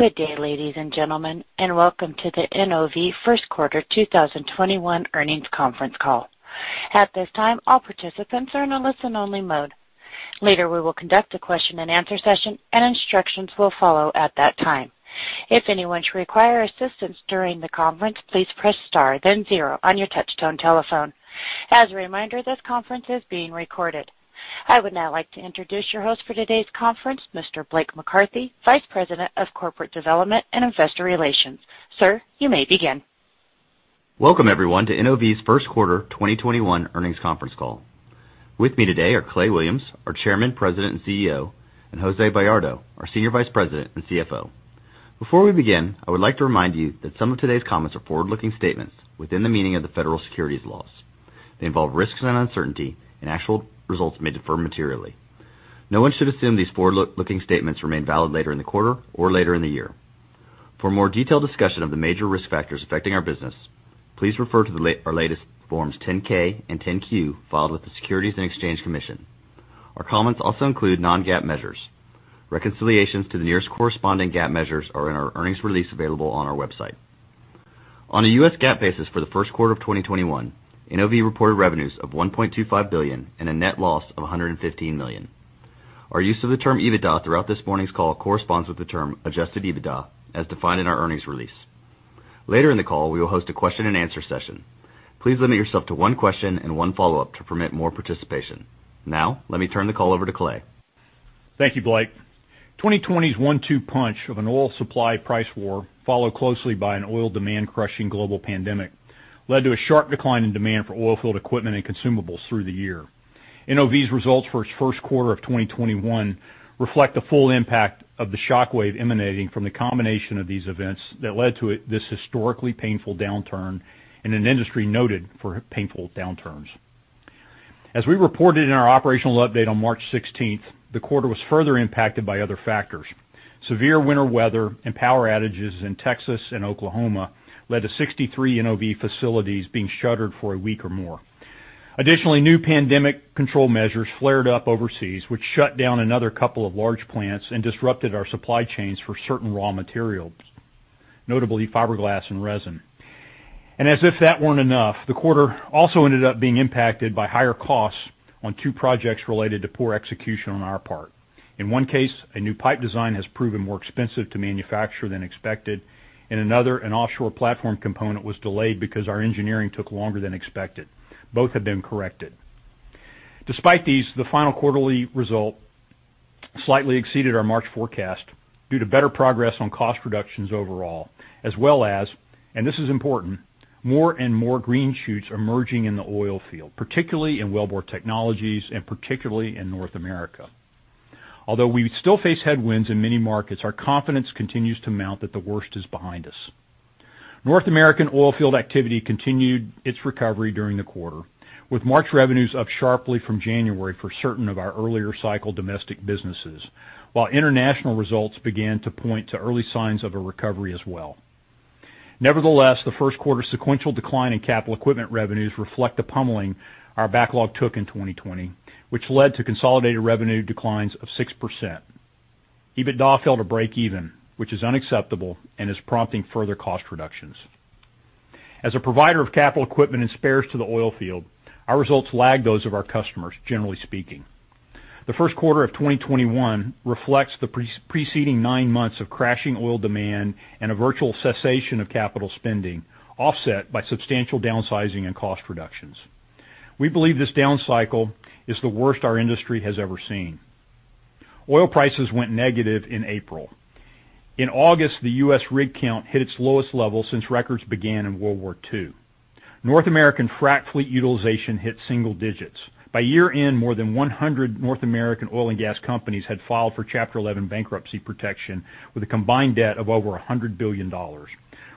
Good day, ladies and gentlemen, and welcome to the NOV first quarter 2021 earnings conference call. I would now like to introduce your host for today's conference, Mr. Blake McCarthy, Vice President of Corporate Development and Investor Relations. Sir, you may begin. Welcome everyone to NOV's first quarter 2021 earnings conference call. With me today are Clay Williams, our Chairman, President, and CEO, and Jose Bayardo, our Senior Vice President and CFO. Before we begin, I would like to remind you that some of today's comments are forward-looking statements within the meaning of the federal securities laws. They involve risks and uncertainty, and actual results may differ materially. No one should assume these forward-looking statements remain valid later in the quarter or later in the year. For a more detailed discussion of the major risk factors affecting our business, please refer to our latest Forms 10-K and 10-Q filed with the Securities and Exchange Commission. Our comments also include non-GAAP measures. Reconciliations to the nearest corresponding GAAP measures are in our earnings release available on our website. On a U.S. GAAP basis for the first quarter of 2021, NOV reported revenues of $1.25 billion and a net loss of $115 million. Our use of the term EBITDA throughout this morning's call corresponds with the term adjusted EBITDA, as defined in our earnings release. Later in the call, we will host a question-and-answer session. Please limit yourself to one question and one follow-up to permit more participation. Now, let me turn the call over to Clay. Thank you, Blake. 2020's one-two punch of an oil supply price war, followed closely by an oil demand-crushing global pandemic, led to a sharp decline in demand for oil field equipment and consumables through the year. NOV's results for its first quarter of 2021 reflect the full impact of the shockwave emanating from the combination of these events that led to this historically painful downturn in an industry noted for painful downturns. As we reported in our operational update on March 16th, the quarter was further impacted by other factors. Severe winter weather and power outages in Texas and Oklahoma led to 63 NOV facilities being shuttered for a week or more. Additionally, new pandemic control measures flared up overseas, which shut down another couple of large plants and disrupted our supply chains for certain raw materials, notably fiberglass and resin. As if that weren't enough, the quarter also ended up being impacted by higher costs on two projects related to poor execution on our part. In one case, a new pipe design has proven more expensive to manufacture than expected. In another, an offshore platform component was delayed because our engineering took longer than expected. Both have been corrected. Despite these, the final quarterly result slightly exceeded our March forecast due to better progress on cost reductions overall as well as, and this is important, more and more green shoots emerging in the oil field, particularly in Wellbore Technologies and particularly in North America. Although we still face headwinds in many markets, our confidence continues to mount that the worst is behind us. North American oilfield activity continued its recovery during the quarter, with March revenues up sharply from January for certain of our earlier cycle domestic businesses, while international results began to point to early signs of a recovery as well. Nevertheless, the first quarter sequential decline in capital equipment revenues reflect the pummeling our backlog took in 2020, which led to consolidated revenue declines of 6%. EBITDA failed to break even, which is unacceptable and is prompting further cost reductions. As a provider of capital equipment and spares to the oilfield, our results lag those of our customers, generally speaking. The first quarter of 2021 reflects the preceding nine months of crashing oil demand and a virtual cessation of capital spending, offset by substantial downsizing and cost reductions. We believe this down cycle is the worst our industry has ever seen. Oil prices went negative in April. In August, the U.S. rig count hit its lowest level since records began in World War II. North American frac fleet utilization hit single digits. By year-end, more than 100 North American oil and gas companies had filed for Chapter 11 bankruptcy protection, with a combined debt of over $100 billion.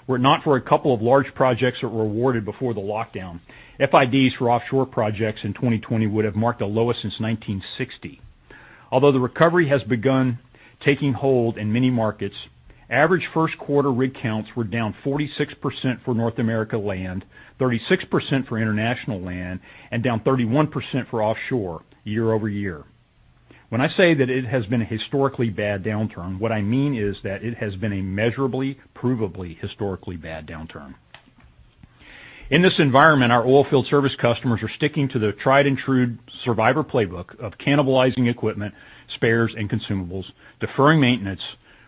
Were it not for a couple of large projects that were awarded before the lockdown, FIDs for offshore projects in 2020 would have marked the lowest since 1960. Although the recovery has begun taking hold in many markets, average first quarter rig counts were down 46% for North America land, 36% for international land, and down 31% for offshore year-over-year. When I say that it has been a historically bad downturn, what I mean is that it has been a measurably, provably, historically bad downturn. In this environment, our oilfield service customers are sticking to the tried and true survivor playbook of cannibalizing equipment, spares, and consumables, deferring maintenance,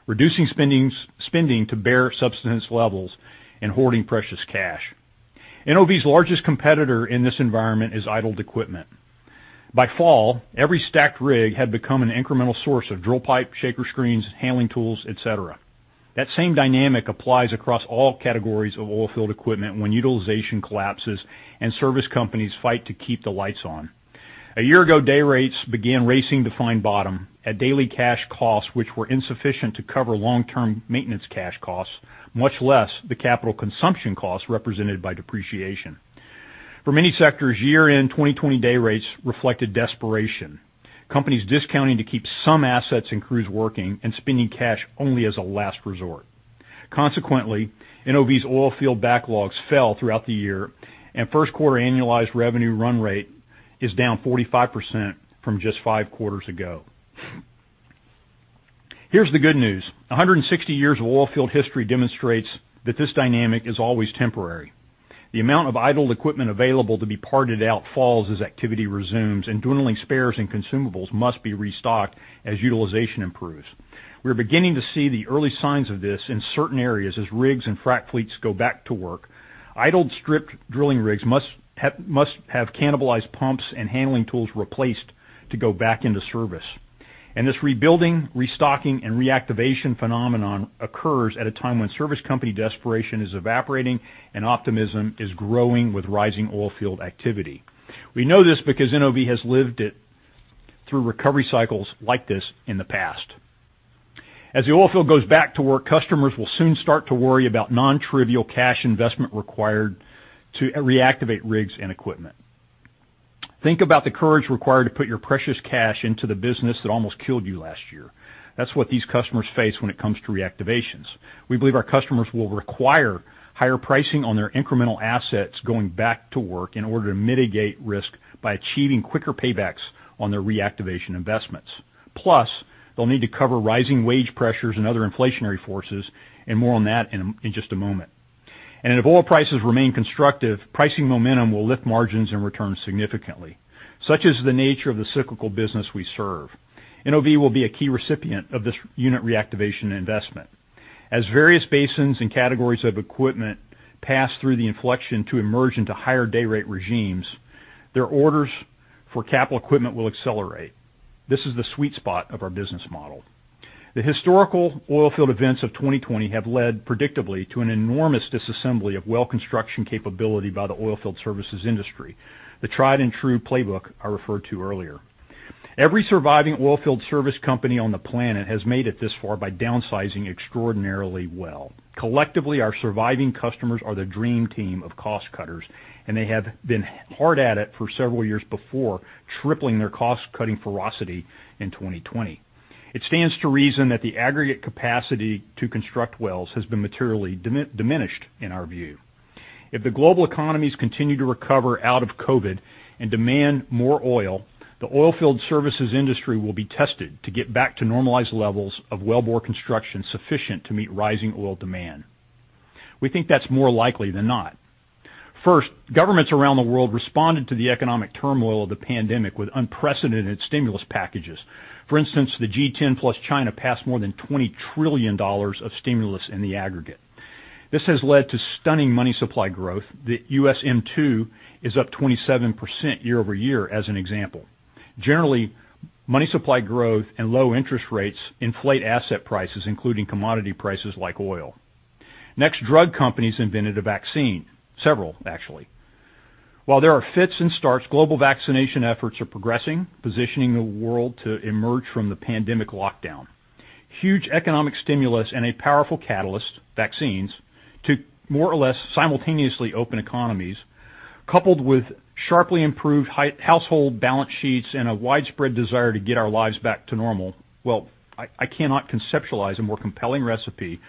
reducing spending to bare subsistence levels, and hoarding precious cash. NOV's largest competitor in this environment is idled equipment. By fall, every stacked rig had become an incremental source of drill pipe, shaker screens, handling tools, et cetera. That same dynamic applies across all categories of oilfield equipment when utilization collapses and service companies fight to keep the lights on. A year ago, day-rates began racing to find bottom at daily cash costs, which were insufficient to cover long-term maintenance cash costs, much less the capital consumption costs represented by depreciation. For many sectors, year-end 2020 day-rates reflected desperation. Companies discounting to keep some assets and crews working and spending cash only as a last resort. Consequently, NOV's oilfield backlogs fell throughout the year, and first quarter annualized revenue run-rate is down 45% from just five quarters ago. Here's the good news. 160 years of oilfield history demonstrates that this dynamic is always temporary. The amount of idled equipment available to be parted out falls as activity resumes, and dwindling spares and consumables must be restocked as utilization improves. We're beginning to see the early signs of this in certain areas as rigs and frac fleets go back to work. Idled stripped drilling rigs must have cannibalized pumps and handling tools replaced to go back into service. This rebuilding, restocking, and reactivation phenomenon occurs at a time when service company desperation is evaporating and optimism is growing with rising oilfield activity. We know this because NOV has lived it through recovery cycles like this in the past. As the oilfield goes back to work, customers will soon start to worry about nontrivial cash investment required to reactivate rigs and equipment. Think about the courage required to put your precious cash into the business that almost killed you last year. That's what these customers face when it comes to reactivations. We believe our customers will require higher pricing on their incremental assets going back to work in order to mitigate risk by achieving quicker paybacks on their reactivation investments. Plus, they'll need to cover rising wage pressures and other inflationary forces, and more on that in just a moment. If oil prices remain constructive, pricing momentum will lift margins and returns significantly. Such is the nature of the cyclical business we serve. NOV will be a key recipient of this unit reactivation investment. As various basins and categories of equipment pass through the inflection to emerge into higher day-rate regimes, their orders for capital equipment will accelerate. This is the sweet spot of our business model. The historical oilfield events of 2020 have led, predictably, to an enormous disassembly of well construction capability by the oilfield services industry, the tried and true playbook I referred to earlier. Every surviving oilfield service company on the planet has made it this far by downsizing extraordinarily well. Collectively, our surviving customers are the dream team of cost-cutters, and they have been hard at it for several years before tripling their cost-cutting ferocity in 2020. It stands to reason that the aggregate capacity to construct wells has been materially diminished, in our view. If the global economies continue to recover out of COVID and demand more oil, the oilfield services industry will be tested to get back to normalized levels of wellbore construction sufficient to meet rising oil demand. We think that's more likely than not. First, governments around the world responded to the economic turmoil of the pandemic with unprecedented stimulus packages. For instance, the G10 plus China passed more than $20 trillion of stimulus in the aggregate. This has led to stunning money supply growth. The U.S. M2 is up 27% year-over-year, as an example. Generally, money supply growth and low interest rates inflate asset prices, including commodity prices like oil. Next, drug companies invented a vaccine. Several, actually. While there are fits and starts, global vaccination efforts are progressing, positioning the world to emerge from the pandemic lockdown. Huge economic stimulus and a powerful catalyst, vaccines, to more or less simultaneously open economies, coupled with sharply improved household balance sheets and a widespread desire to get our lives back to normal. Well, I cannot conceptualize a more compelling recipe for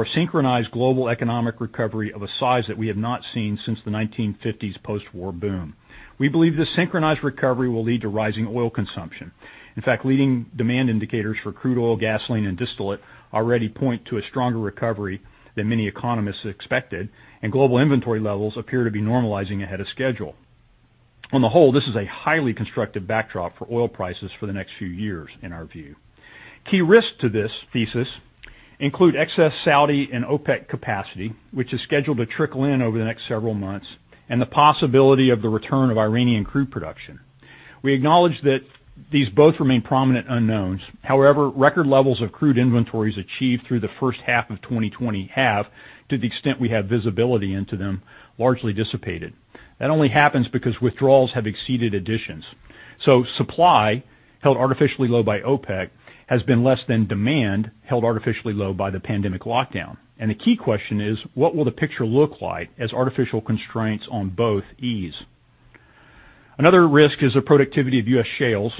a synchronized global economic recovery of a size that we have not seen since the 1950s post-war boom. We believe this synchronized recovery will lead to rising oil consumption. In fact, leading demand indicators for crude oil, gasoline, and distillate already point to a stronger recovery than many economists expected, and global inventory levels appear to be normalizing ahead of schedule. On the whole, this is a highly constructive backdrop for oil prices for the next few years, in our view. Key risks to this thesis include excess Saudi and OPEC capacity, which is scheduled to trickle in over the next several months, and the possibility of the return of Iranian crude production. We acknowledge that these both remain prominent unknowns. However, record levels of crude inventories achieved through the first half of 2020 have, to the extent we have visibility into them, largely dissipated. That only happens because withdrawals have exceeded additions. Supply, held artificially low by OPEC, has been less than demand, held artificially low by the pandemic lockdown. The key question is: What will the picture look like as artificial constraints on both ease? Another risk is the productivity of U.S. shales,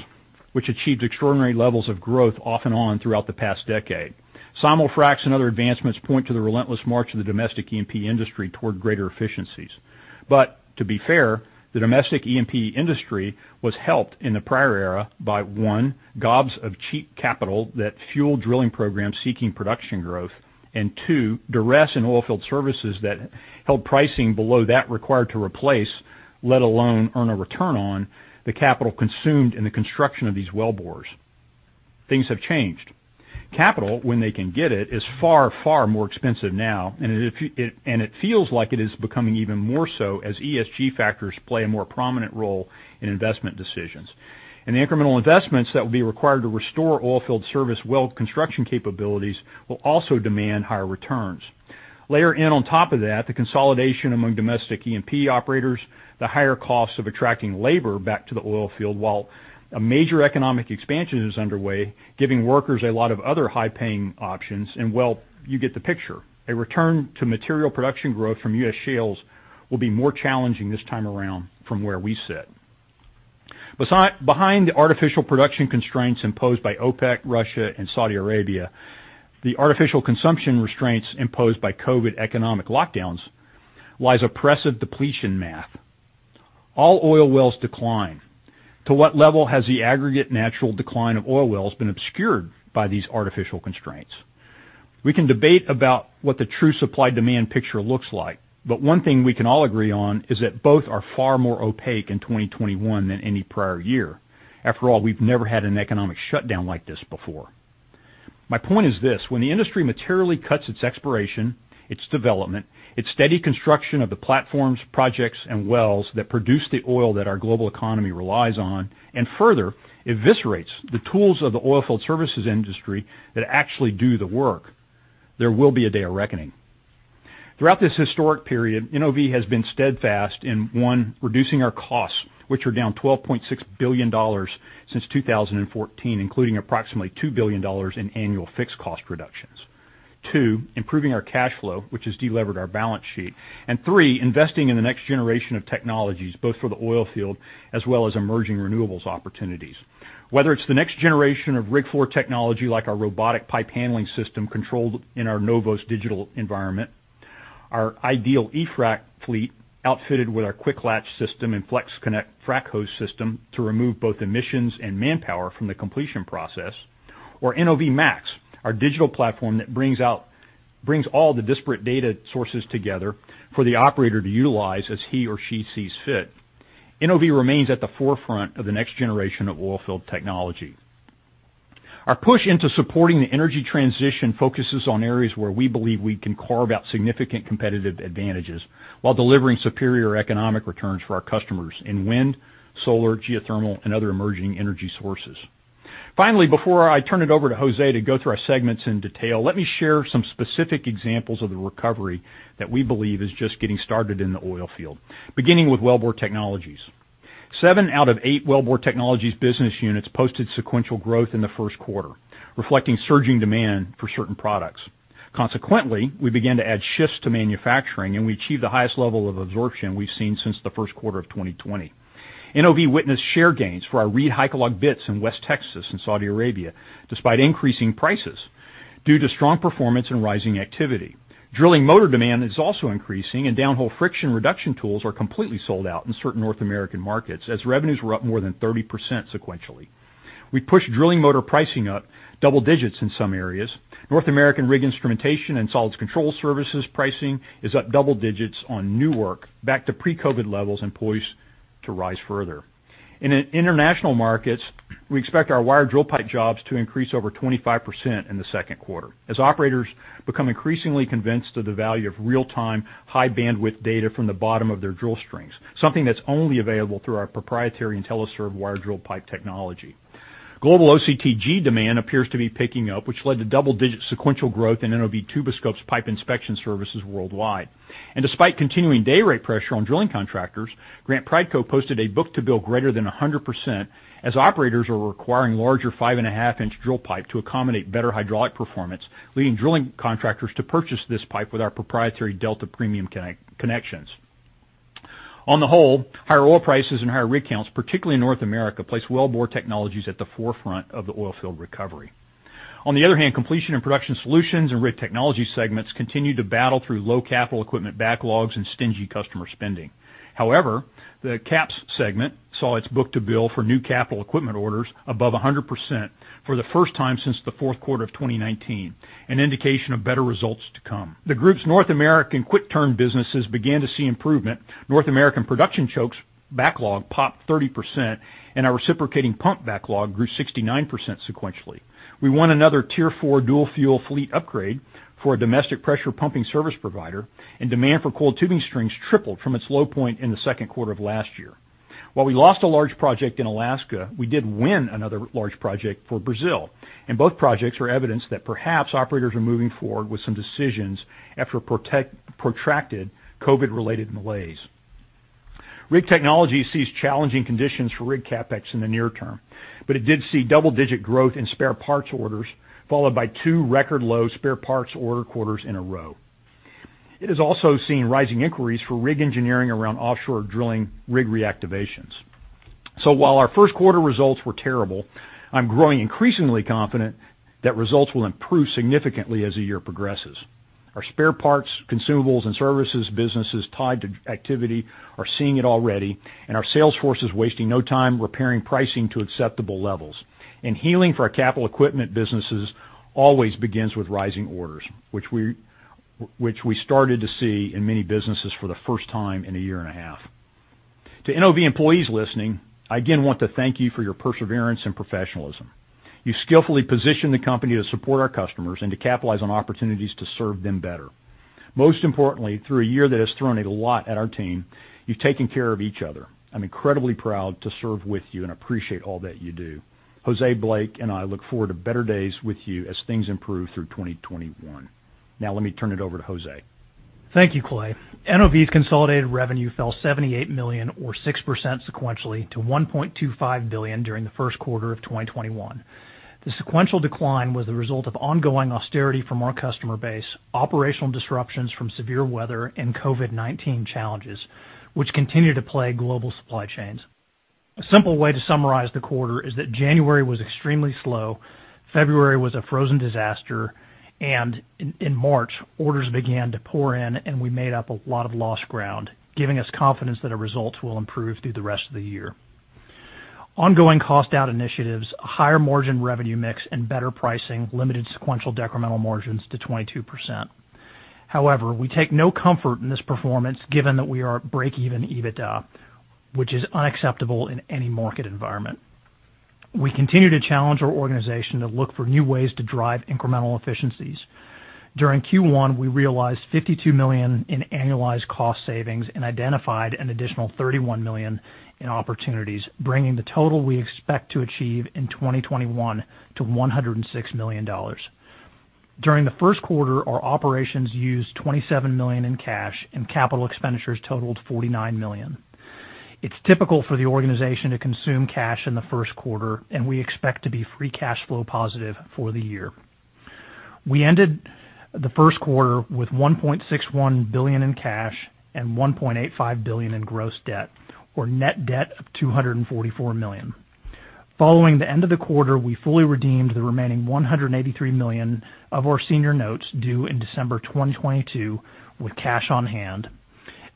which achieved extraordinary levels of growth off and on throughout the past decade. SimulFrac and other advancements point to the relentless march of the domestic E&P industry toward greater efficiencies. To be fair, the domestic E&P industry was helped in the prior era by, one, gobs of cheap capital that fueled drilling programs seeking production growth. Two, duress in oilfield services that held pricing below that required to replace, let alone earn a return on the capital consumed in the construction of these wellbores. Things have changed. Capital, when they can get it, is far, far more expensive now, and it feels like it is becoming even more so as ESG factors play a more prominent role in investment decisions. The incremental investments that will be required to restore oilfield service well construction capabilities will also demand higher returns. Layer in on top of that the consolidation among domestic E&P operators, the higher costs of attracting labor back to the oilfield while a major economic expansion is underway, giving workers a lot of other high-paying options, and, well, you get the picture. A return to material production growth from U.S. shales will be more challenging this time around from where we sit. Behind the artificial production constraints imposed by OPEC, Russia, and Saudi Arabia, the artificial consumption restraints imposed by COVID economic lockdowns lies oppressive depletion math. All oil wells decline. To what level has the aggregate natural decline of oil wells been obscured by these artificial constraints? We can debate about what the true supply-demand picture looks like, but one thing we can all agree on is that both are far more opaque in 2021 than any prior year. After all, we've never had an economic shutdown like this before. My point is this: when the industry materially cuts its exploration, its development, its steady construction of the platforms, projects, and wells that produce the oil that our global economy relies on, and further eviscerates the tools of the oilfield services industry that actually do the work, there will be a day of reckoning. Throughout this historic period, NOV has been steadfast in, one, reducing our costs, which are down $12.6 billion since 2014, including approximately $2 billion in annual fixed cost reductions. Two, improving our cash flow, which has delevered our balance sheet. Three, investing in the next-generation of technologies, both for the oilfield as well as emerging renewables opportunities. Whether it's the next generation of rig floor technology, like our robotic pipe handling system controlled in our NOVOS digital environment, our Ideal eFrac fleet outfitted with our quick latch system and FlexConnect frac hose system to remove both emissions and manpower from the completion process, or NOV MAX, our digital platform that brings all the disparate data sources together for the operator to utilize as he or she sees fit. NOV remains at the forefront of the next-generation of oilfield technology. Our push into supporting the energy transition focuses on areas where we believe we can carve out significant competitive advantages while delivering superior economic returns for our customers in wind, solar, geothermal, and other emerging energy sources. Finally, before I turn it over to Jose to go through our segments in detail, let me share some specific examples of the recovery that we believe is just getting started in the oilfield, beginning with Wellbore Technologies. Seven out of eight Wellbore Technologies business units posted sequential growth in the first quarter, reflecting surging demand for certain products. Consequently, we began to add shifts to manufacturing, and we achieved the highest level of absorption we've seen since the first quarter of 2020. NOV witnessed share gains for our ReedHycalog bits in West Texas and Saudi Arabia, despite increasing prices due to strong performance and rising activity. Drilling motor demand is also increasing, and downhole friction reduction tools are completely sold out in certain North American markets, as revenues were up more than 30% sequentially. We pushed drilling motor pricing up double digits in some areas. North American rig instrumentation and solids control services pricing is up double digits on new work, back to pre-COVID levels and poised to rise further. In international markets, we expect our wired drill pipe jobs to increase over 25% in the second quarter as operators become increasingly convinced of the value of real-time, high-bandwidth data from the bottom of their drill strings, something that's only available through our proprietary IntelliServ wired drill pipe technology. Global OCTG demand appears to be picking up, which led to double-digit sequential growth in NOV Tuboscope's pipe inspection services worldwide. Despite continuing day rate pressure on drilling contractors, Grant Prideco posted a book-to-bill greater than 100% as operators are requiring larger 5.5-in drill pipe to accommodate better hydraulic performance, leading drilling contractors to purchase this pipe with our proprietary Delta premium connections. On the whole, higher oil prices and higher rig counts, particularly in North America, place Wellbore Technologies at the forefront of the oilfield recovery. On the other hand, Completion & Production Solutions and Rig Technologies segments continue to battle through low capital equipment backlogs and stingy customer spending. The CAPS segment saw its book-to-bill for new capital equipment orders above 100% for the first time since the fourth quarter of 2019, an indication of better results to come. The group's North American quick turn businesses began to see improvement. North American production chokes backlog popped 30%, and our reciprocating pump backlog grew 69% sequentially. We won another Tier 4 dual-fuel fleet upgrade for a domestic pressure pumping service provider, and demand for coiled tubing strings tripled from its low point in the second quarter of last year. While we lost a large project in Alaska, we did win another large project for Brazil. Both projects are evidence that perhaps operators are moving forward with some decisions after protracted COVID-related malaise. Rig Technologies sees challenging conditions for rig CapEx in the near term. It did see double-digit growth in spare parts orders, followed by two record low spare parts order quarters in a row. It has also seen rising inquiries for rig engineering around offshore drilling rig reactivations. While our first quarter results were terrible, I'm growing increasingly confident that results will improve significantly as the year progresses. Our spare parts, consumables, and services businesses tied to activity are seeing it already. Our sales force is wasting no time repairing pricing to acceptable levels. Healing for our capital equipment businesses always begins with rising orders, which we started to see in many businesses for the first time in a year and a half. To NOV employees listening, I again want to thank you for your perseverance and professionalism. You skillfully positioned the company to support our customers and to capitalize on opportunities to serve them better. Most importantly, through a year that has thrown a lot at our team, you've taken care of each other. I'm incredibly proud to serve with you and appreciate all that you do. Jose, Blake, and I look forward to better days with you as things improve through 2021. Let me turn it over to Jose. Thank you, Clay. NOV's consolidated revenue fell $78 million or 6% sequentially to $1.25 billion during the first quarter of 2021. The sequential decline was the result of ongoing austerity from our customer base, operational disruptions from severe weather, and COVID-19 challenges, which continue to plague global supply chains. A simple way to summarize the quarter is that January was extremely slow, February was a frozen disaster, and in March, orders began to pour in and we made up a lot of lost ground, giving us confidence that our results will improve through the rest of the year. Ongoing cost out initiatives, a higher margin revenue mix, and better pricing limited sequential decremental margins to 22%. However, we take no comfort in this performance given that we are breakeven EBITDA, which is unacceptable in any market environment. We continue to challenge our organization to look for new ways to drive incremental efficiencies. During Q1, we realized $52 million in annualized cost savings and identified an additional $31 million in opportunities, bringing the total we expect to achieve in 2021 to $106 million. During the first quarter, our operations used $27 million in cash, and capital expenditures totaled $49 million. It's typical for the organization to consume cash in the first quarter, and we expect to be free cash flow positive for the year. We ended the first quarter with $1.61 billion in cash and $1.85 billion in gross debt, or net debt of $244 million. Following the end of the quarter, we fully redeemed the remaining $183 million of our senior notes due in December 2022 with cash on hand.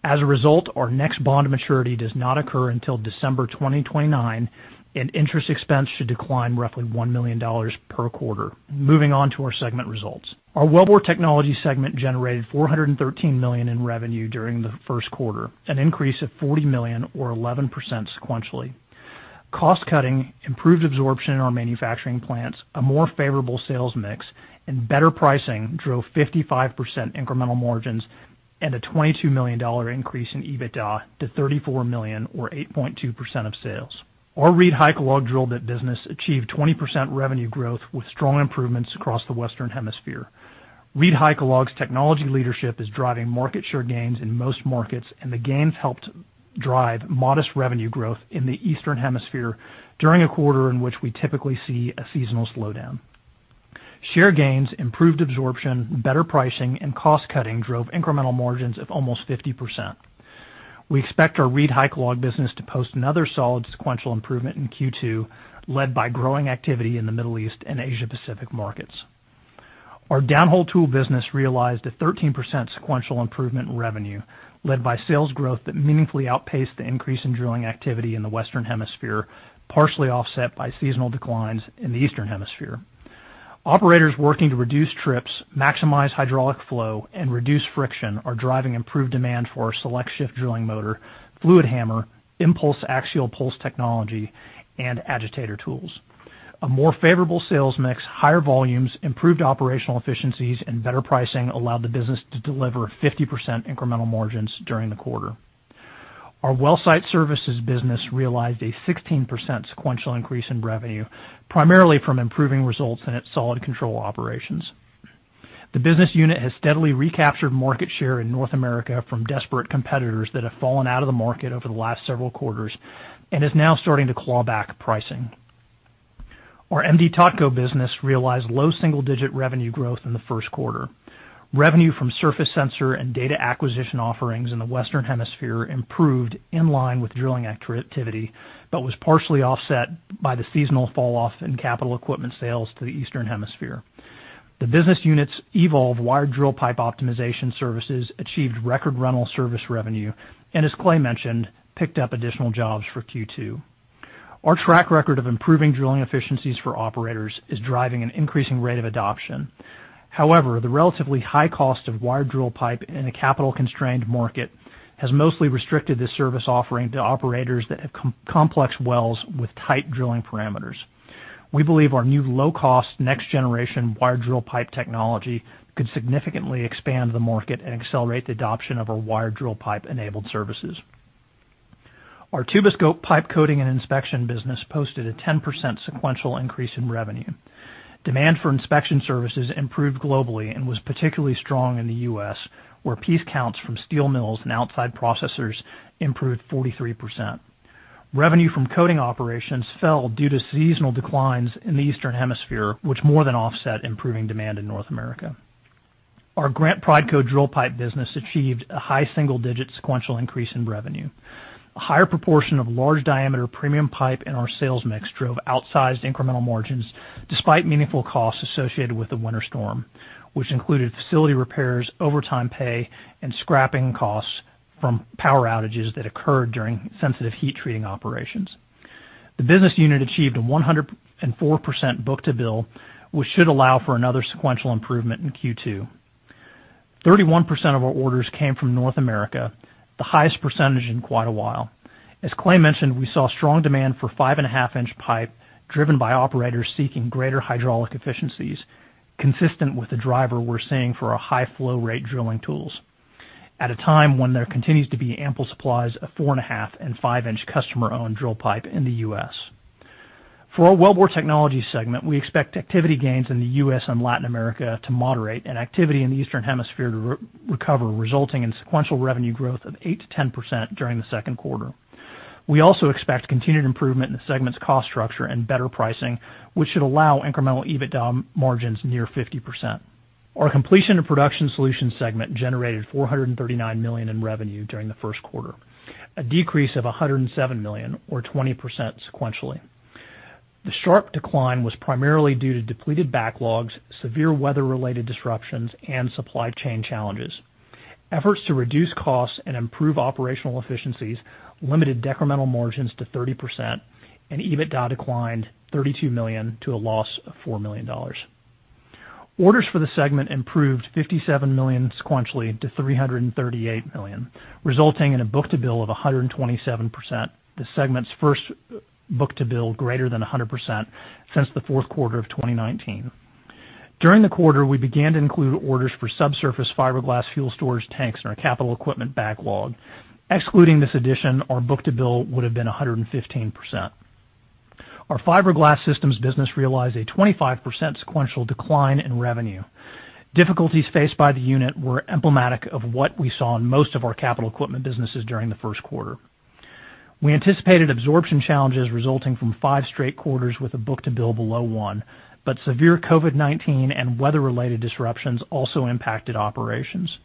As a result, our next bond maturity does not occur until December 2029, and interest expense should decline roughly $1 million per quarter. Moving on to our segment results. Our Wellbore Technologies segment generated $413 million in revenue during the first quarter, an increase of $40 million or 11% sequentially. Cost-cutting, improved absorption in our manufacturing plants, a more favorable sales mix, and better pricing drove 55% incremental margins and a $22 million increase in EBITDA to $34 million or 8.2% of sales. Our ReedHycalog drill bit business achieved 20% revenue growth with strong improvements across the Western Hemisphere. ReedHycalog's technology leadership is driving market share gains in most markets, and the gains helped drive modest revenue growth in the Eastern Hemisphere during a quarter in which we typically see a seasonal slowdown. Share gains, improved absorption, better pricing, and cost-cutting drove incremental margins of almost 50%. We expect our ReedHycalog business to post another solid sequential improvement in Q2, led by growing activity in the Middle East and Asia Pacific markets. Our downhole tool business realized a 13% sequential improvement in revenue, led by sales growth that meaningfully outpaced the increase in drilling activity in the Western Hemisphere, partially offset by seasonal declines in the Eastern Hemisphere. Operators working to reduce trips, maximize hydraulic flow, and reduce friction are driving improved demand for our SelectShift drilling motor, FluidHammer, Impulse Axial Pulse technology, and Agitator tools. A more favorable sales mix, higher volumes, improved operational efficiencies, and better pricing allowed the business to deliver 50% incremental margins during the quarter. Our Well Site Services business realized a 16% sequential increase in revenue, primarily from improving results in its solid control operations. The business unit has steadily recaptured market share in North America from desperate competitors that have fallen out of the market over the last several quarters and is now starting to claw back pricing. Our M/D Totco business realized low single-digit revenue growth in the first quarter. Revenue from surface sensor and data acquisition offerings in the Western Hemisphere improved in line with drilling activity but was partially offset by the seasonal falloff in capital equipment sales to the Eastern Hemisphere. The business unit's eVolve wired drill pipe optimization services achieved record rental service revenue and, as Clay mentioned, picked up additional jobs for Q2. Our track record of improving drilling efficiencies for operators is driving an increasing rate of adoption. The relatively high cost of wired drill pipe in a capital-constrained market has mostly restricted this service offering to operators that have complex wells with tight drilling parameters. We believe our new low-cost, next-generation wired drill pipe technology could significantly expand the market and accelerate the adoption of our wired drill pipe-enabled services. Our Tuboscope pipe coating and inspection business posted a 10% sequential increase in revenue. Demand for inspection services improved globally and was particularly strong in the U.S., where piece counts from steel mills and outside processors improved 43%. Revenue from coating operations fell due to seasonal declines in the Eastern Hemisphere, which more than offset improving demand in North America. Our Grant Prideco drill pipe business achieved a high single-digit sequential increase in revenue. A higher proportion of large-diameter premium pipe in our sales mix drove outsized incremental margins despite meaningful costs associated with the winter storm, which included facility repairs, overtime pay, and scrapping costs from power outages that occurred during sensitive heat treating operations. The business unit achieved a 104% book-to-bill, which should allow for another sequential improvement in Q2. 31% of our orders came from North America, the highest percentage in quite a while. As Clay mentioned, we saw strong demand for 5.5-in pipe driven by operators seeking greater hydraulic efficiencies, consistent with the driver we are seeing for our high flow rate drilling tools at a time when there continues to be ample supplies of 4.5-in and 5-in customer-owned drill pipe in the U.S. For our Wellbore Technologies segment, we expect activity gains in the U.S. and Latin America to moderate and activity in the Eastern Hemisphere to recover, resulting in sequential revenue growth of 8%-10% during the second quarter. We also expect continued improvement in the segment's cost structure and better pricing, which should allow incremental EBITDA margins near 50%. Our Completion & Production Solutions segment generated $439 million in revenue during the first quarter, a decrease of $107 million or 20% sequentially. The sharp decline was primarily due to depleted backlogs, severe weather-related disruptions, and supply chain challenges. Efforts to reduce costs and improve operational efficiencies limited decremental margins to 30%, and EBITDA declined $32 million to a loss of $4 million. Orders for the segment improved $57 million sequentially to $338 million, resulting in a book-to-bill of 127%, the segment's first book-to-bill greater than 100% since the fourth quarter of 2019. During the quarter, we began to include orders for subsurface fiberglass fuel storage tanks in our capital equipment backlog. Excluding this addition, our book-to-bill would've been 115%. Our Fiber Glass Systems business realized a 25% sequential decline in revenue. Difficulties faced by the unit were emblematic of what we saw in most of our capital equipment businesses during the first quarter. We anticipated absorption challenges resulting from five straight quarters with a book-to-bill below 1.0 but severe COVID-19 and weather-related disruptions also impacted operations.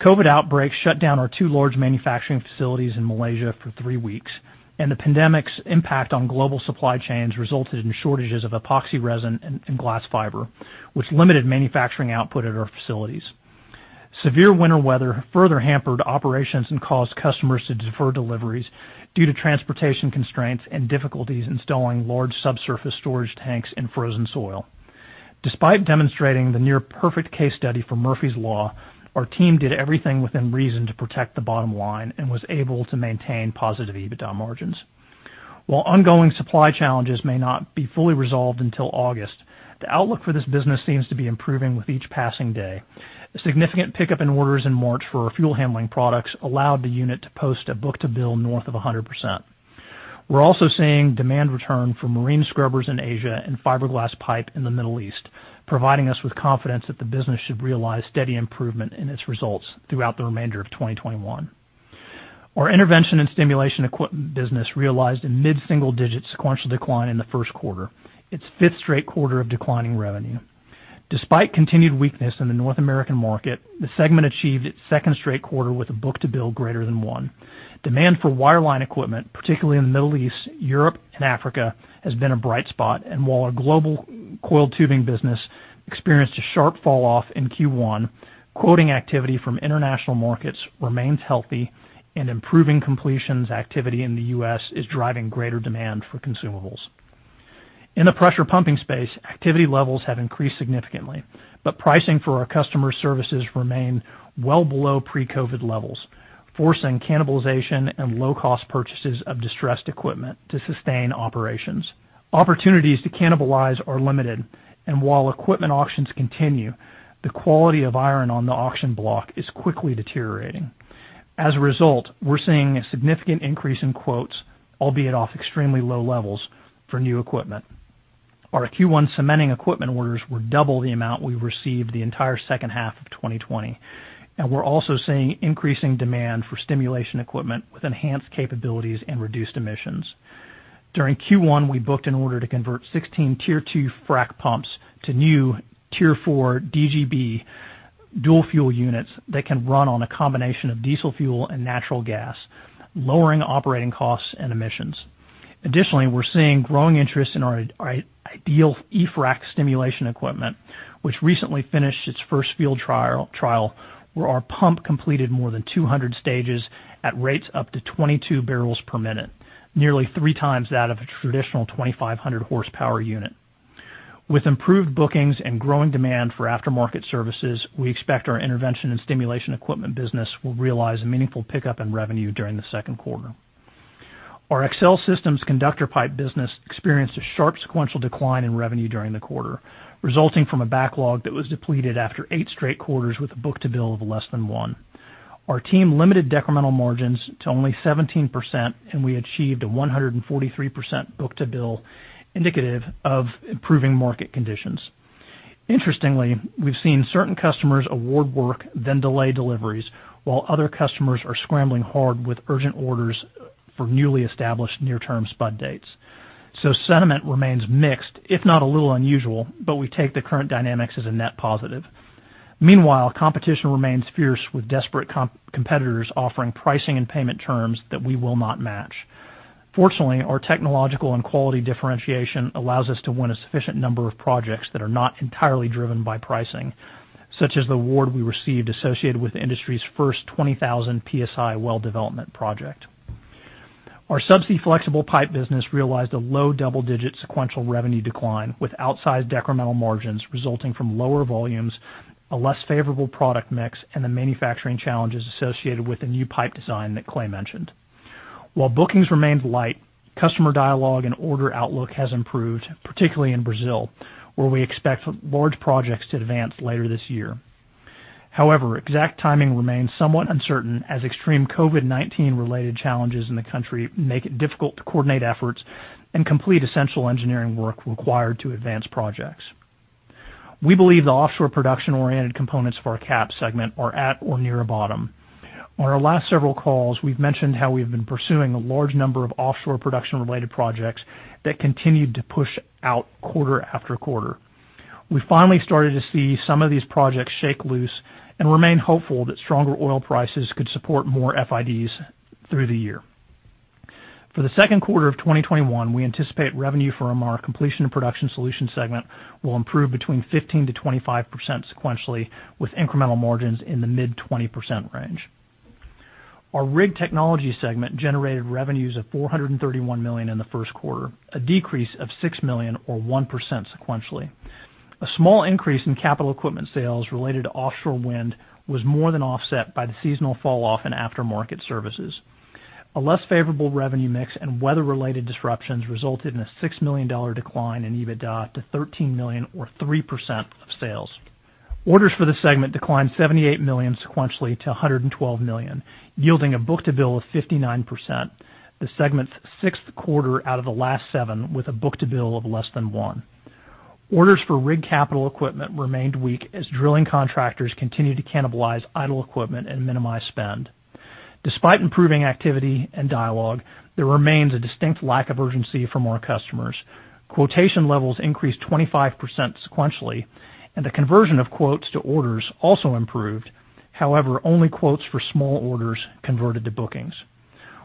COVID outbreaks shut down our two large manufacturing facilities in Malaysia for three weeks, and the pandemic's impact on global supply chains resulted in shortages of epoxy resin and glass fiber, which limited manufacturing output at our facilities. Severe winter weather further hampered operations and caused customers to defer deliveries due to transportation constraints and difficulties installing large subsurface storage tanks in frozen soil. Despite demonstrating the near-perfect case study for Murphy's Law, our team did everything within reason to protect the bottom line and was able to maintain positive EBITDA margins. While ongoing supply challenges may not be fully resolved until August, the outlook for this business seems to be improving with each passing day. A significant pickup in orders in March for our fuel handling products allowed the unit to post a book-to-bill north of 100%. We're also seeing demand return for marine scrubbers in Asia and fiberglass pipe in the Middle East, providing us with confidence that the business should realize steady improvement in its results throughout the remainder of 2021. Our intervention and stimulation equipment business realized a mid-single-digit sequential decline in the first quarter, its fifth straight quarter of declining revenue. Despite continued weakness in the North American market, the segment achieved its second straight quarter with a book-to-bill greater than 1.0 Demand for wireline equipment, particularly in the Middle East, Europe, and Africa, has been a bright spot, and while our global coiled tubing business experienced a sharp fall-off in Q1, quoting activity from international markets remains healthy, and improving completions activity in the U.S. is driving greater demand for consumables. In the pressure pumping space, activity levels have increased significantly, but pricing for our customer services remain well below pre-COVID levels, forcing cannibalization and low-cost purchases of distressed equipment to sustain operations. Opportunities to cannibalize are limited, and while equipment auctions continue, the quality of iron on the auction block is quickly deteriorating. As a result, we're seeing a significant increase in quotes, albeit off extremely low levels, for new equipment. Our Q1 cementing equipment orders were double the amount we received the entire second half of 2020, and we're also seeing increasing demand for stimulation equipment with enhanced capabilities and reduced emissions. During Q1, we booked an order to convert 16 Tier 2 frac pumps to new Tier 4 DGB dual-fuel units that can run on a combination of diesel fuel and natural gas, lowering operating costs and emissions. Additionally, we're seeing growing interest in our Ideal eFrac stimulation equipment, which recently finished its first field trial, where our pump completed more than 200 stages at rates up to 22 bbl per minute, nearly three times that of a traditional 2,500-horsepower unit. With improved bookings and growing demand for aftermarket services, we expect our intervention and stimulation equipment business will realize a meaningful pickup in revenue during the second quarter. Our XL Systems Conductor Pipe business experienced a sharp sequential decline in revenue during the quarter, resulting from a backlog that was depleted after eight straight quarters with a book-to-bill of less than 1.0. Our team limited decremental margins to only 17%, and we achieved a 143% book-to-bill, indicative of improving market conditions. Interestingly, we've seen certain customers award work, then delay deliveries, while other customers are scrambling hard with urgent orders for newly established near-term spud dates. Sentiment remains mixed, if not a little unusual, but we take the current dynamics as a net positive. Meanwhile, competition remains fierce with desperate competitors offering pricing and payment terms that we will not match. Fortunately, our technological and quality differentiation allows us to win a sufficient number of projects that are not entirely driven by pricing, such as the award we received associated with the industry's first 20,000 PSI well development project. Our Subsea Flexible Pipe business realized a low double-digit sequential revenue decline with outsized decremental margins resulting from lower volumes, a less favorable product mix, and the manufacturing challenges associated with the new pipe design that Clay mentioned. While bookings remained light, customer dialogue and order outlook has improved, particularly in Brazil, where we expect large projects to advance later this year. Exact timing remains somewhat uncertain as extreme COVID-19-related challenges in the country make it difficult to coordinate efforts and complete essential engineering work required to advance projects. We believe the offshore production-oriented components for our CAPS segment are at or near a bottom. On our last several calls, we've mentioned how we've been pursuing a large number of offshore production-related projects that continued to push out quarter-after-quarter. We finally started to see some of these projects shake loose and remain hopeful that stronger oil prices could support more FIDs through the year. For the second quarter of 2021, we anticipate revenue from our Completion & Production Solutions segment will improve between 15%-25% sequentially, with incremental margins in the mid-20% range. Our Rig Technologies segment generated revenues of $431 million in the first quarter, a decrease of $6 million or 1% sequentially. A small increase in capital equipment sales related to offshore wind was more than offset by the seasonal falloff in aftermarket services. A less favorable revenue mix and weather-related disruptions resulted in a $6 million decline in EBITDA to $13 million or 3% of sales. Orders for this segment declined $78 million sequentially to $112 million, yielding a book-to-bill of 59%, the segment's sixth quarter out of the last seven with a book-to-bill of less than 1.0. Orders for rig capital equipment remained weak as drilling contractors continued to cannibalize idle equipment and minimize spend. Despite improving activity and dialogue, there remains a distinct lack of urgency from our customers. Quotation levels increased 25% sequentially, and the conversion of quotes to orders also improved. However, only quotes for small orders converted to bookings.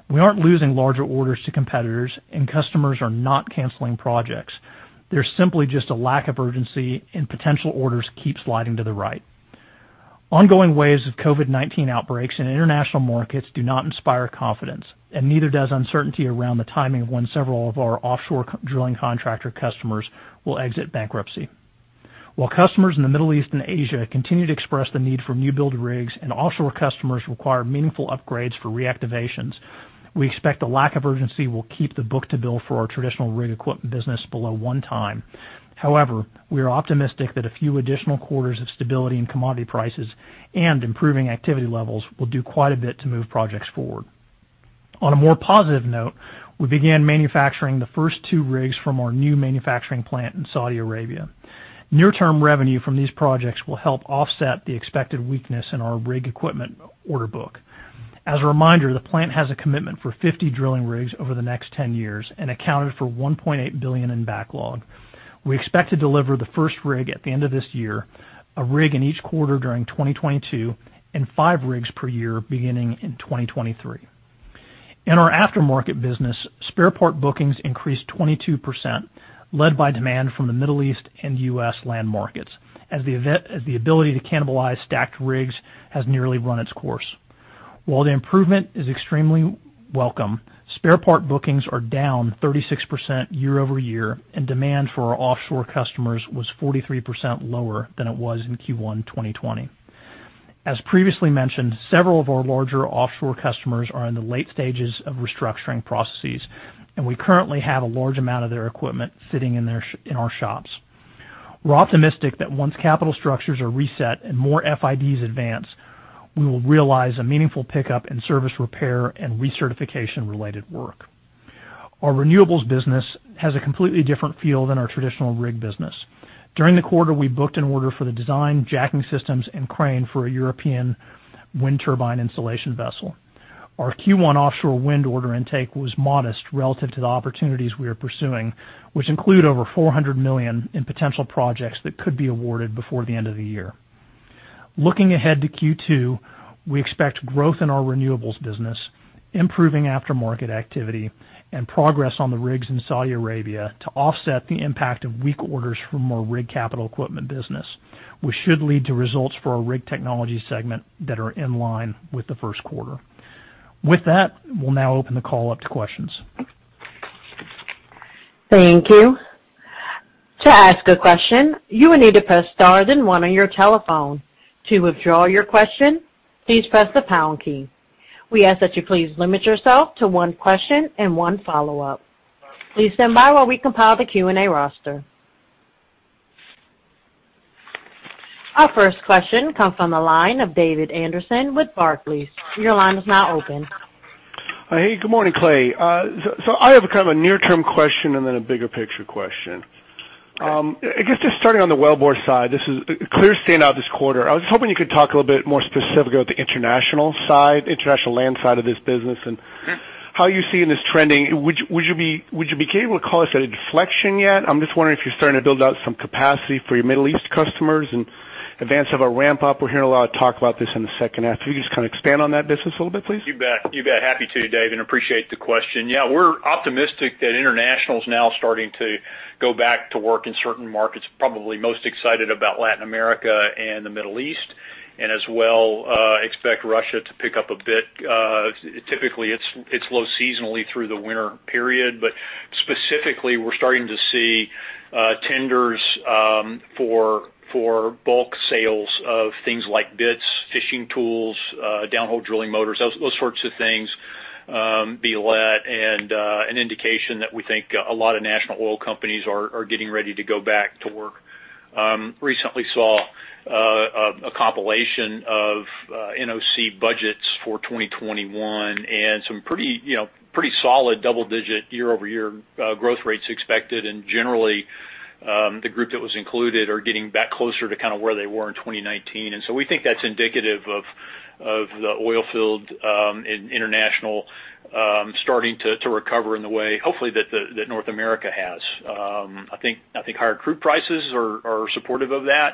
We aren't losing larger orders to competitors, and customers are not canceling projects. There's simply just a lack of urgency, and potential orders keep sliding to the right. Ongoing waves of COVID-19 outbreaks in international markets do not inspire confidence, and neither does uncertainty around the timing of when several of our offshore drilling contractor customers will exit bankruptcy. While customers in the Middle East and Asia continue to express the need for new build rigs and offshore customers require meaningful upgrades for reactivations, we expect a lack of urgency will keep the book-to-bill for our traditional rig equipment business below one time. We are optimistic that a few additional quarters of stability in commodity prices and improving activity levels will do quite a bit to move projects forward. On a more positive note, we began manufacturing the first two rigs from our new manufacturing plant in Saudi Arabia. Near-term revenue from these projects will help offset the expected weakness in our rig equipment order book. As a reminder, the plant has a commitment for 50 drilling rigs over the next 10 years and accounted for $1.8 billion in backlog. We expect to deliver the first rig at the end of this year, a rig in each quarter during 2022, and five rigs per year beginning in 2023. In our aftermarket business, spare part bookings increased 22%, led by demand from the Middle East and U.S. land markets, as the ability to cannibalize stacked rigs has nearly run its course. While the improvement is extremely welcome, spare part bookings are down 36% year-over-year. Demand for our offshore customers was 43% lower than it was in Q1 2020. As previously mentioned, several of our larger offshore customers are in the late stages of restructuring processes. We currently have a large amount of their equipment sitting in our shops. We're optimistic that once capital structures are reset and more FIDs advance, we will realize a meaningful pickup in service repair and recertification-related work. Our Renewables business has a completely different feel than our Traditional Rig business. During the quarter, we booked an order for the design, jacking systems, and crane for a European wind turbine installation vessel. Our Q1 offshore wind order intake was modest relative to the opportunities we are pursuing, which include over $400 million in potential projects that could be awarded before the end of the year. Looking ahead to Q2, we expect growth in our renewables business, improving aftermarket activity, and progress on the rigs in Saudi Arabia to offset the impact of weak orders from our rig capital equipment business. We should lead to results for our Rig Technologies segment that are in line with the first quarter. With that, we'll now open the call up to questions. Thank you. To ask a question you will need to press star then one on your telephone. To withdraw your question please press the pound key. We ask that you please limit yourself to one question and one follow-up. Standby while we compile the Q&A roster. Our first question comes from the line of David Anderson with Barclays. Your line is now open. Hey, good morning, Clay. I have a kind of a near-term question and then a bigger picture question. I guess just starting on the Wellbore side, this is clear standout this quarter. I was hoping you could talk a little bit more specifically about the international side, international land side of this business, and how you're seeing this trending. Would you be able to call this inflection yet? I'm just wondering if you're starting to build out some capacity for your Middle East customers in advance of a ramp-up. We're hearing a lot of talk about this in the second half. Can you just kind of expand on that business a little bit, please? You bet. Happy to, Dave, and appreciate the question. Yeah, we're optimistic that international is now starting to go back to work in certain markets, probably most excited about Latin America and the Middle East, and as well expect Russia to pick up a bit. Typically, it's low seasonally through the winter period, but specifically, we're starting to see tenders for bulk sales of things like bits, fishing tools, downhole drilling motors, those sorts of things be let, and an indication that we think a lot of national oil companies are getting ready to go back to work. Recently saw a compilation of NOC budgets for 2021 and some pretty solid double-digit year-over-year growth rates expected. Generally, the group that was included are getting back closer to where they were in 2019. We think that's indicative of the oilfield international starting to recover in the way, hopefully, that North America has. I think higher crude prices are supportive of that.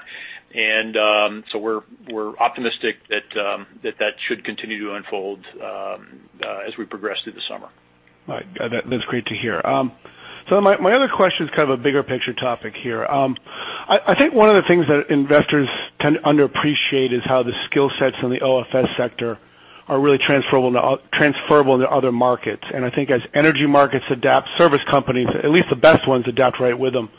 We're optimistic that should continue to unfold as we progress through the summer. Right. That's great to hear. My other question is kind of a bigger picture topic here. I think one of the things that investors tend to underappreciate is how the skill sets in the OFS sector are really transferable into other markets. I think as energy markets adapt, service companies, at least the best ones, adapt right with them.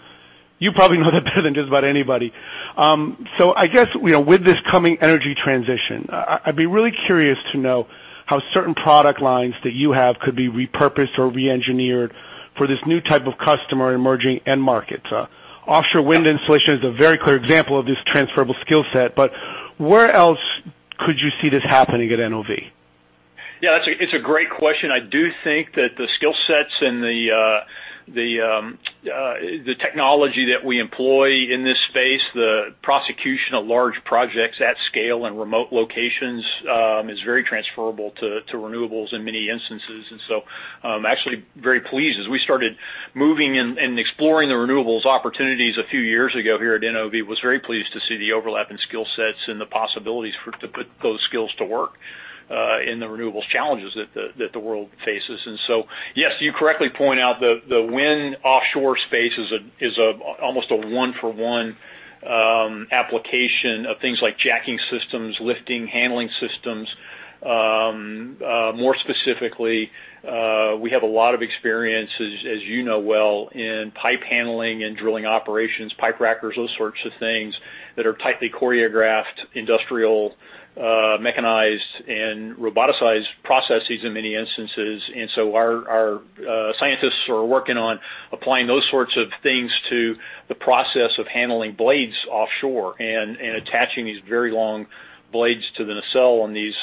You probably know that better than just about anybody. I guess, with this coming energy transition, I'd be really curious to know how certain product lines that you have could be repurposed or re-engineered for this new type of customer emerging end market. Offshore wind installation is a very clear example of this transferable skill set, but where else could you see this happening at NOV? Yeah, it's a great question. I do think that the skill sets and the technology that we employ in this space, the prosecution of large projects at scale in remote locations, is very transferable to renewables in many instances. I'm actually very pleased as we started moving and exploring the renewables opportunities a few years ago here at NOV, was very pleased to see the overlap in skill sets and the possibilities to put those skills to work in the renewables challenges that the world faces. Yes, you correctly point out the wind offshore space is almost a one-for-one application of things like jacking systems, lifting, handling systems. More specifically, we have a lot of experience, as you know well, in pipe handling and drilling operations, pipe racks, those sorts of things that are tightly choreographed, industrial, mechanized, and roboticized processes in many instances. Our scientists are working on applying those sorts of things to the process of handling blades offshore and attaching these very long blades to the nacelle on these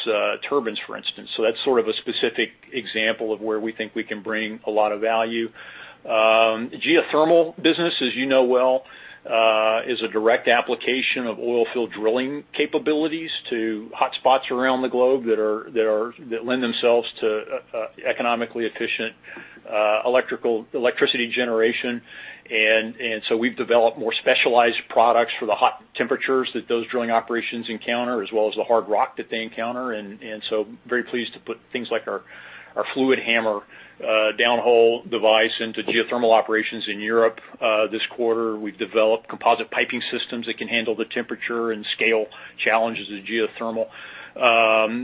turbines, for instance. That's sort of a specific example of where we think we can bring a lot of value. Geothermal business, as you know well, is a direct application of oilfield drilling capabilities to hotspots around the globe that lend themselves to economically efficient electricity generation. We've developed more specialized products for the hot temperatures that those drilling operations encounter, as well as the hard rock that they encounter. Very pleased to put things like our FluidHammer downhole device into geothermal operations in Europe this quarter. We've developed composite piping systems that can handle the temperature and scale challenges of geothermal.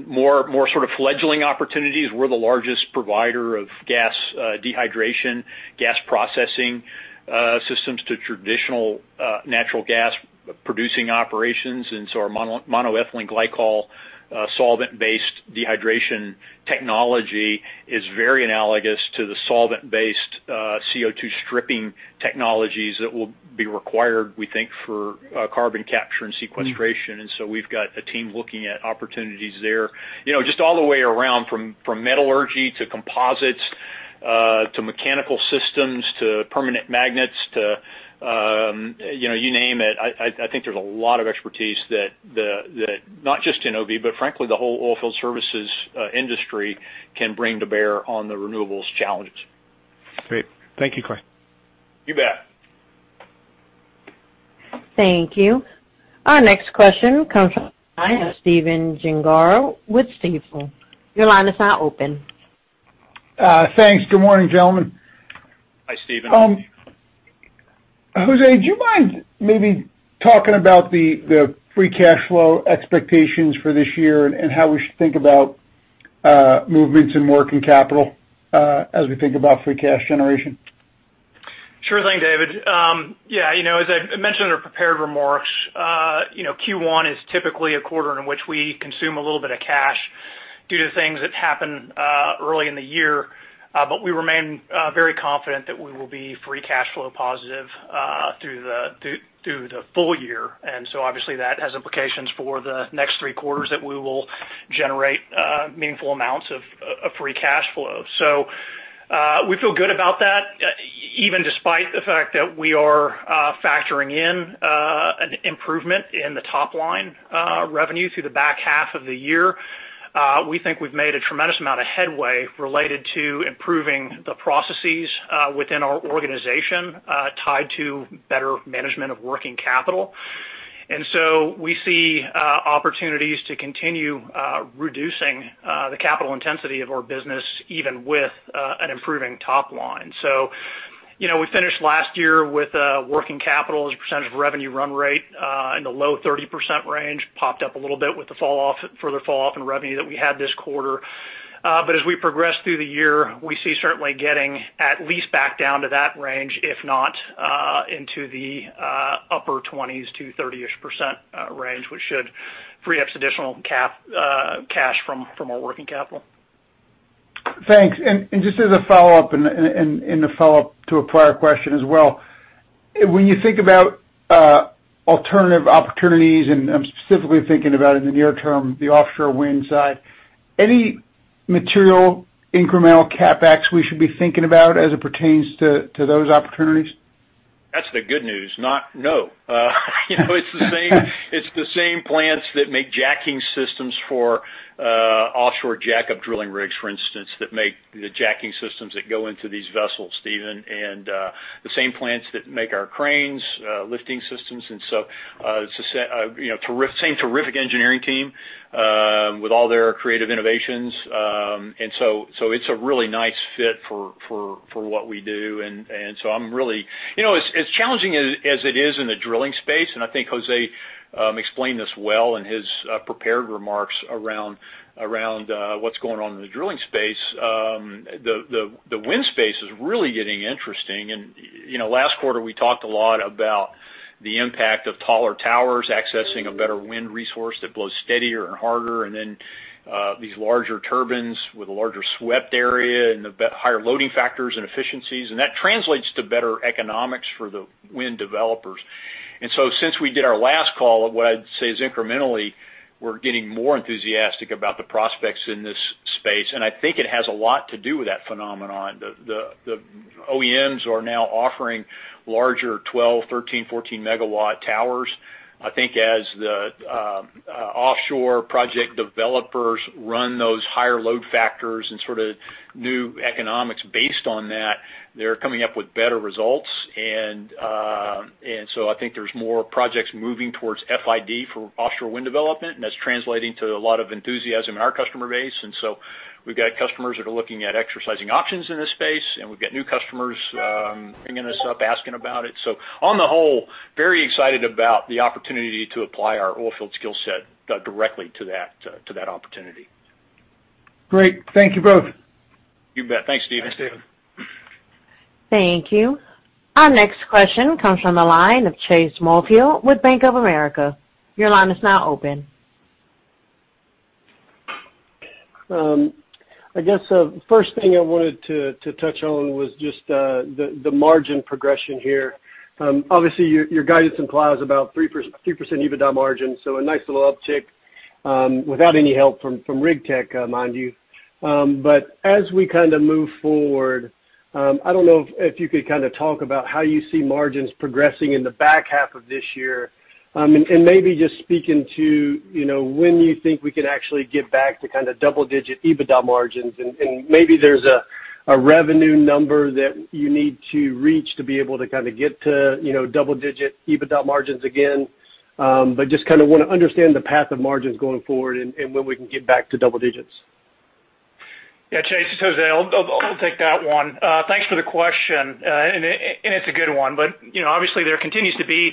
More sort of fledgling opportunities. We're the largest provider of gas dehydration, gas processing systems to traditional natural gas producing operations. Our monoethylene glycol solvent-based dehydration technology is very analogous to the solvent-based CO2 stripping technologies that will be required, we think, for carbon capture and sequestration. We've got a team looking at opportunities there. Just all the way around from metallurgy to composites, to mechanical systems, to permanent magnets, to you name it. I think there's a lot of expertise that, not just NOV, but frankly, the whole oilfield services industry can bring to bear on the renewables challenges. Great. Thank you, Clay. You bet. Thank you. Our next question comes from Stephen Gengaro with Stifel. Your line is now open. Thanks. Good morning, gentlemen. Hi, Stephen. Jose, do you mind maybe talking about the free cash flow expectations for this year and how we should think about movements in working capital as we think about free cash generation? Sure thing, David. As I mentioned in our prepared remarks, Q1 is typically a quarter in which we consume a little bit of cash due to things that happen early in the year. We remain very confident that we will be free cash flow positive through the full year. Obviously that has implications for the next three quarters that we will generate meaningful amounts of free cash flow. We feel good about that, even despite the fact that we are factoring in an improvement in the top-line revenue through the back half of the year. We think we've made a tremendous amount of headway related to improving the processes within our organization tied to better management of working capital. We see opportunities to continue reducing the capital intensity of our business, even with an improving top line. We finished last year with a working capital as a percentage of revenue run-rate in the low 30% range. Popped up a little bit with the further falloff in revenue that we had this quarter. As we progress through the year, we see certainly getting at least back down to that range, if not into the upper 20%s to 30% range, which should free up some additional cash from our working capital. Thanks. Just as a follow-up, and a follow-up to a prior question as well, when you think about alternative opportunities, and I'm specifically thinking about in the near term, the offshore wind side, any material incremental CapEx we should be thinking about as it pertains to those opportunities? That's the good news. It's the same plants that make jacking systems for offshore jackup drilling rigs, for instance, that make the jacking systems that go into these vessels, Stephen, and the same plants that make our cranes, lifting systems. The same terrific engineering team with all their creative innovations. It's a really nice fit for what we do. As challenging as it is in the drilling space, and I think Jose explained this well in his prepared remarks around what's going on in the drilling space, the wind space is really getting interesting. Last quarter, we talked a lot about the impact of taller towers accessing a better wind resource that blows steadier and harder, and then these larger turbines with a larger swept area and the higher loading factors and efficiencies, and that translates to better economics for the wind developers. Since we did our last call, what I'd say is incrementally, we're getting more enthusiastic about the prospects in this space, and I think it has a lot to do with that phenomenon. The OEMs are now offering larger 12-MW, 13-MW, 14-MW towers. I think as the offshore project developers run those higher load factors and sort of new economics based on that, they're coming up with better results. I think there's more projects moving towards FIDs for offshore wind development, and that's translating to a lot of enthusiasm in our customer base. We've got customers that are looking at exercising options in this space, and we've got new customers ringing us up asking about it. On the whole, very excited about the opportunity to apply our oilfield skill set directly to that opportunity. Great. Thank you both. You bet. Thanks, Stephen. Thanks, Stephen. Thank you. Our next question comes from the line of Chase Mulvehill with Bank of America. Your line is now open. I guess the first thing I wanted to touch on was just the margin progression here. Obviously, your guidance implies about 3% EBITDA margin, so a nice little uptick, without any help from Rig Tech, mind you. As we kind of move forward, I don't know if you could kind of talk about how you see margins progressing in the back half of this year. Maybe just speaking to when you think we could actually get back to kind of double-digit EBITDA margins, and maybe there's a revenue number that you need to reach to be able to kind of get to double-digit EBITDA margins again. Just kind of want to understand the path of margins going forward and when we can get back to double digits. Yeah, Chase, it's Jose. I'll take that one. Thanks for the question, and it's a good one. Obviously, there continues to be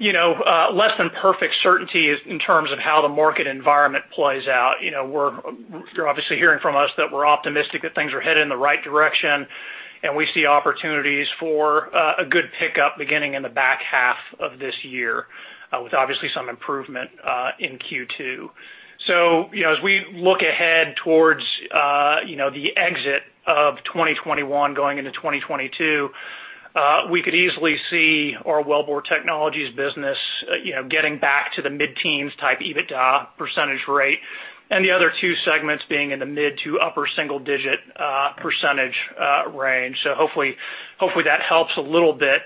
less than perfect certainty in terms of how the market environment plays out. You're obviously hearing from us that we're optimistic that things are headed in the right direction, and we see opportunities for a good pickup beginning in the back half of this year, with obviously some improvement in Q2. As we look ahead towards the exit of 2021 going into 2022, we could easily see our Wellbore Technologies business getting back to the mid-teens type EBITDA % rate, and the other two segments being in the mid to upper single-digit percentage range. Hopefully that helps a little bit.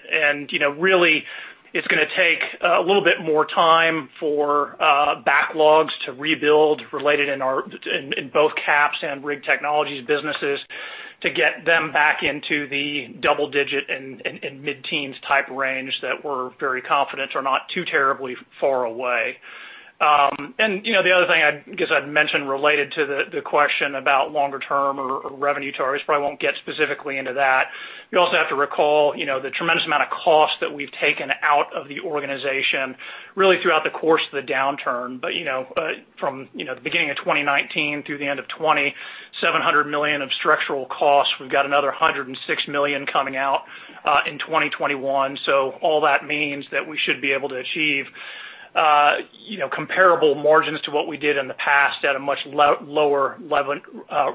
Really, it's going to take a little bit more time for backlogs to rebuild related in both CAPS and Rig Technologies businesses to get them back into the double-digit and mid-teens type range that we're very confident are not too terribly far away. The other thing I guess I'd mention related to the question about longer-term or revenue targets, probably won't get specifically into that. You also have to recall the tremendous amount of cost that we've taken out of the organization really throughout the course of the downturn. From the beginning of 2019 through the end of 2020, $700 million of structural costs. We've got another $106 million coming out in 2021. All that means that we should be able to achieve comparable margins to what we did in the past at a much lower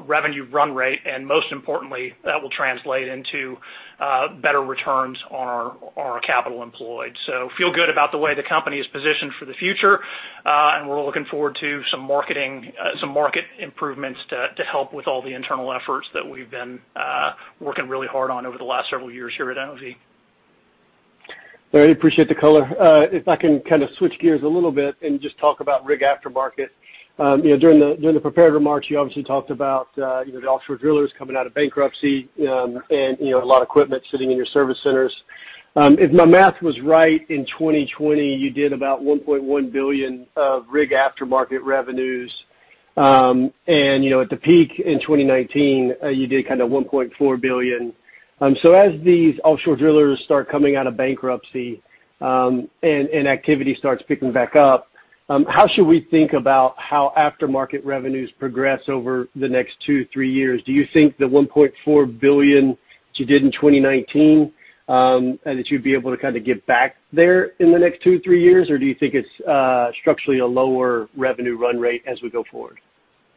revenue run-rate. Most importantly, that will translate into better returns on our capital employed. Feel good about the way the company is positioned for the future. We're looking forward to some market improvements to help with all the internal efforts that we've been working really hard on over the last several years here at NOV. I appreciate the color. If I can kind of switch gears a little bit and just talk about rig aftermarket. During the prepared remarks, you obviously talked about the offshore drillers coming out of bankruptcy, and a lot of equipment sitting in your service centers. If my math was right, in 2020, you did about $1.1 billion of Rig aftermarket revenues. And at the peak in 2019, you did kind of $1.4 billion. As these offshore drillers start coming out of bankruptcy, and activity starts picking back up, how should we think about how aftermarket revenues progress over the next two, three years? Do you think the $1.4 billion that you did in 2019, and that you'd be able to kind of get back there in the next two to three years? Do you think it's structurally a lower revenue run-rate as we go forward?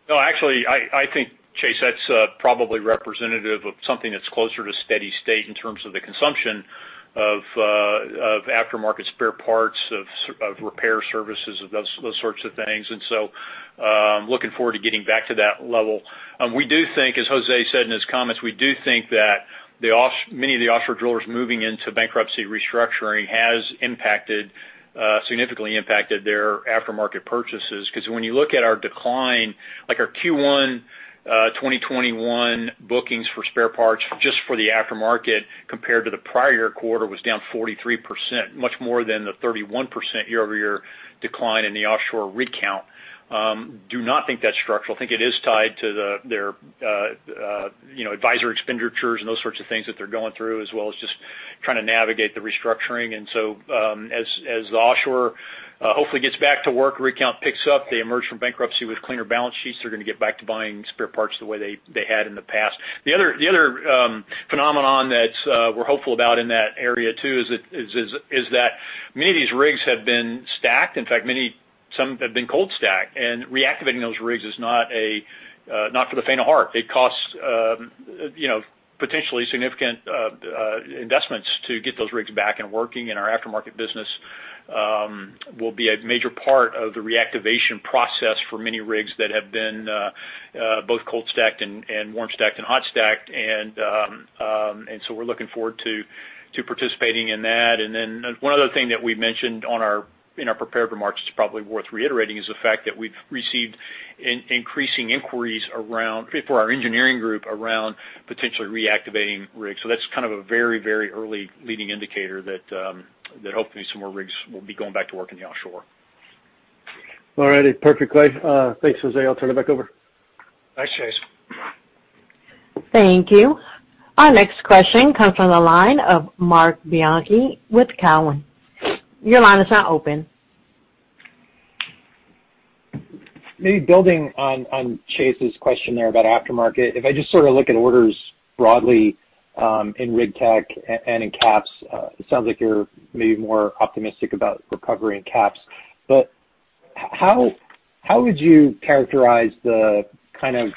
No, actually, I think, Chase, that's probably representative of something that's closer to steady state in terms of the consumption of aftermarket spare parts, of repair services, of those sorts of things. Looking forward to getting back to that level. We do think, as Jose said in his comments, we do think that many of the offshore drillers moving into bankruptcy restructuring has significantly impacted their aftermarket purchases. When you look at our decline, like our Q1 2021 bookings for spare parts just for the aftermarket compared to the prior year quarter was down 43%, much more than the 31% year-over-year decline in the offshore rig count. Do not think that's structural. Think it is tied to their advisory expenditures and those sorts of things that they're going through, as well as just trying to navigate the restructuring. As the offshore hopefully gets back to work, rig count picks up, they emerge from bankruptcy with cleaner balance sheets. They're going to get back to buying spare parts the way they had in the past. The other phenomenon that we're hopeful about in that area, too, is that many of these rigs have been stacked. In fact, some have been cold stacked, and reactivating those rigs is not for the faint of heart. It costs potentially significant investments to get those rigs back and working, and our aftermarket business will be a major part of the reactivation process for many rigs that have been both cold stacked and warm stacked and hot stacked. We're looking forward to participating in that. One other thing that we mentioned in our prepared remarks that's probably worth reiterating is the fact that we've received increasing inquiries for our engineering group around potentially reactivating rigs. That's kind of a very, very early leading indicator that hopefully some more rigs will be going back to work in the offshore. All righty. Perfect, Clay. Thanks, Jose. I'll turn it back over. Thanks, Chase. Thank you. Our next question comes from the line of Marc Bianchi with Cowen. Your line is now open. Maybe building on Chase's question there about aftermarket. If I just sort of look at orders broadly in Rig Tech and in CAPS, it sounds like you're maybe more optimistic about recovery in CAPS. How would you characterize the kind of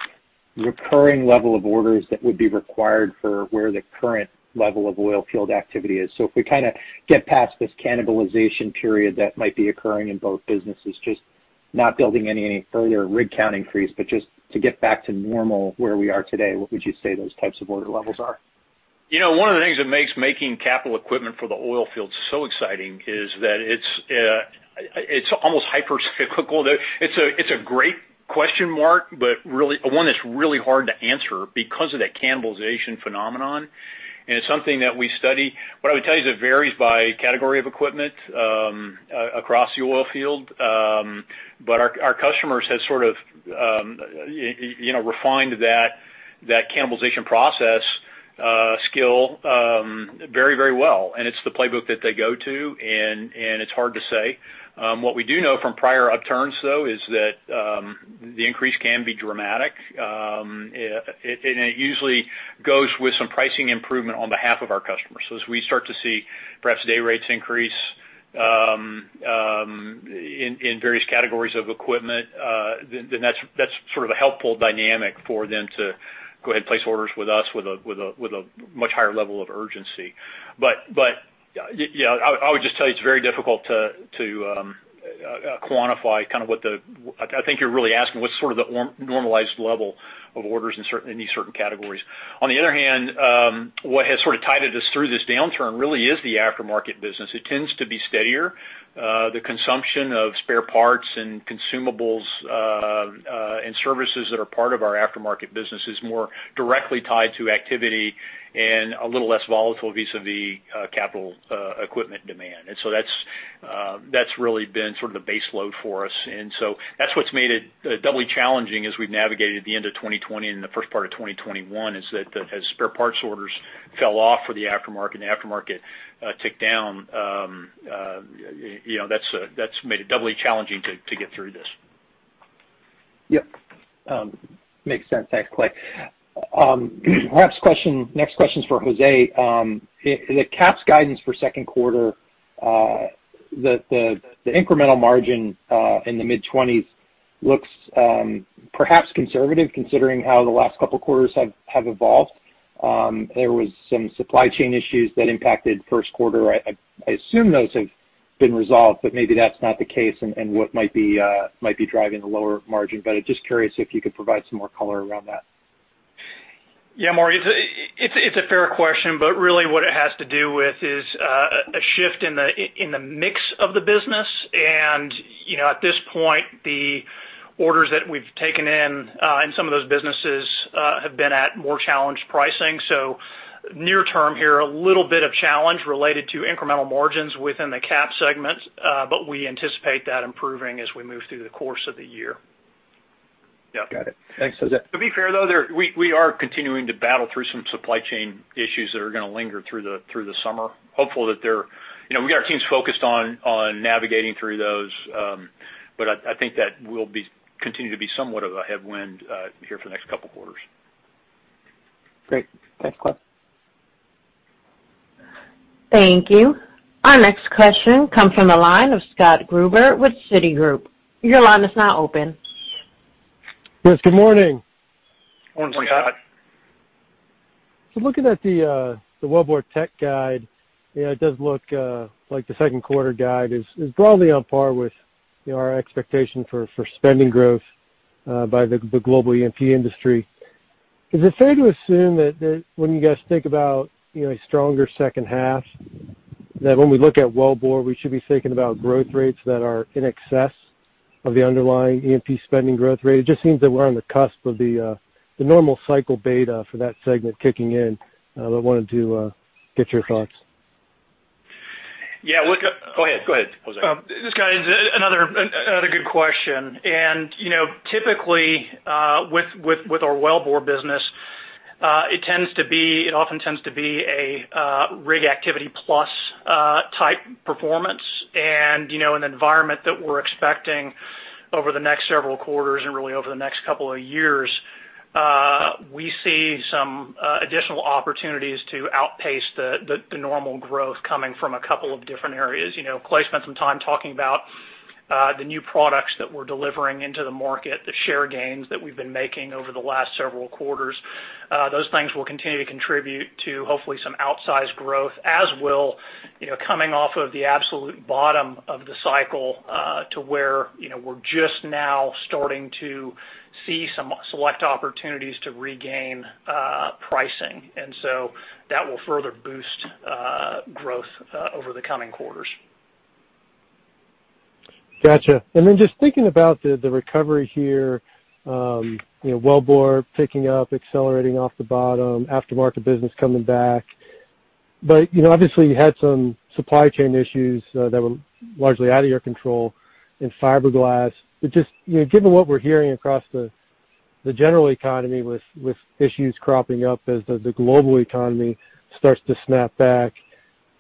recurring level of orders that would be required for where the current level of oil field activity is? If we kind of get past this cannibalization period that might be occurring in both businesses, just not building any further rig count increase, but just to get back to normal where we are today, what would you say those types of order levels are? One of the things that makes making capital equipment for the oil field so exciting is that it's almost hyper cyclical. It's a great question, Marc, one that's really hard to answer because of that cannibalization phenomenon, and it's something that we study. What I would tell you is it varies by category of equipment across the oil field. Our customers have sort of refined that cannibalization process skill very, very well, and it's the playbook that they go to, and it's hard to say. What we do know from prior upturns, though, is that the increase can be dramatic. It usually goes with some pricing improvement on behalf of our customers. As we start to see perhaps day-rates increase in various categories of equipment, then that's sort of a helpful dynamic for them to go ahead and place orders with us with a much higher level of urgency. I would just tell you it's very difficult to quantify kind of what I think you're really asking, what's sort of the normalized level of orders in these certain categories. On the other hand, what has sort of tided us through this downturn really is the aftermarket business. It tends to be steadier. The consumption of spare parts and consumables and services that are part of our aftermarket business is more directly tied to activity and a little less volatile vis-a-vis capital equipment demand. That's really been sort of the base load for us. That's what's made it doubly challenging as we've navigated the end of 2020 and the first part of 2021, is that as spare parts orders fell off for the aftermarket and the aftermarket ticked down, that's made it doubly challenging to get through this. Yep. Makes sense. Thanks, Clay. Perhaps next question's for Jose. The CAPS guidance for second quarter, the incremental margin in the mid-20%s looks perhaps conservative, considering how the last couple of quarters have evolved. There was some supply chain issues that impacted Q1. I assume those have been resolved, but maybe that's not the case and what might be driving the lower margin. Just curious if you could provide some more color around that. Yeah, Marc, it's a fair question. Really what it has to do with is a shift in the mix of the business. At this point, the orders that we've taken in some of those businesses, have been at more challenged pricing. Near term here, a little bit of challenge related to incremental margins within the CAPS segment. We anticipate that improving as we move through the course of the year. Yeah. Got it. Thanks, Jose. To be fair, though, we are continuing to battle through some supply chain issues that are going to linger through the summer. We've got our teams focused on navigating through those. I think that will continue to be somewhat of a headwind here for the next couple of quarters. Great. Thanks, Clay. Thank you. Our next question comes from the line of Scott Gruber with Citigroup. Your line is now open. Yes, good morning. Morning, Scott. Looking at the Wellbore Technologies guide, it does look like the second quarter guide is broadly on par with our expectation for spending growth by the global E&P industry. Is it fair to assume that when you guys think about a stronger second half, that when we look at Wellbore Technologies, we should be thinking about growth rates that are in excess of the underlying E&P spending growth rate? It just seems that we're on the cusp of the normal cycle beta for that segment kicking in. Wanted to get your thoughts. Yeah. Go ahead, Jose. This is kind of another good question. Typically, with our Wellbore Technologies, it often tends to be a rig activity plus type performance. An environment that we're expecting over the next several quarters and really over the next couple of years, we see some additional opportunities to outpace the normal growth coming from a couple of different areas. Clay spent some time talking about the new products that we're delivering into the market, the share gains that we've been making over the last several quarters. Those things will continue to contribute to hopefully some outsized growth as will, coming off of the absolute bottom of the cycle, to where we're just now starting to see some select opportunities to regain pricing. That will further boost growth over the coming quarters. Got you. Just thinking about the recovery here, Wellbore picking up, accelerating off the bottom, aftermarket business coming back. Obviously you had some supply chain issues that were largely out of your control in Fiberglass. Just given what we're hearing across the general economy with issues cropping up as the global economy starts to snap back,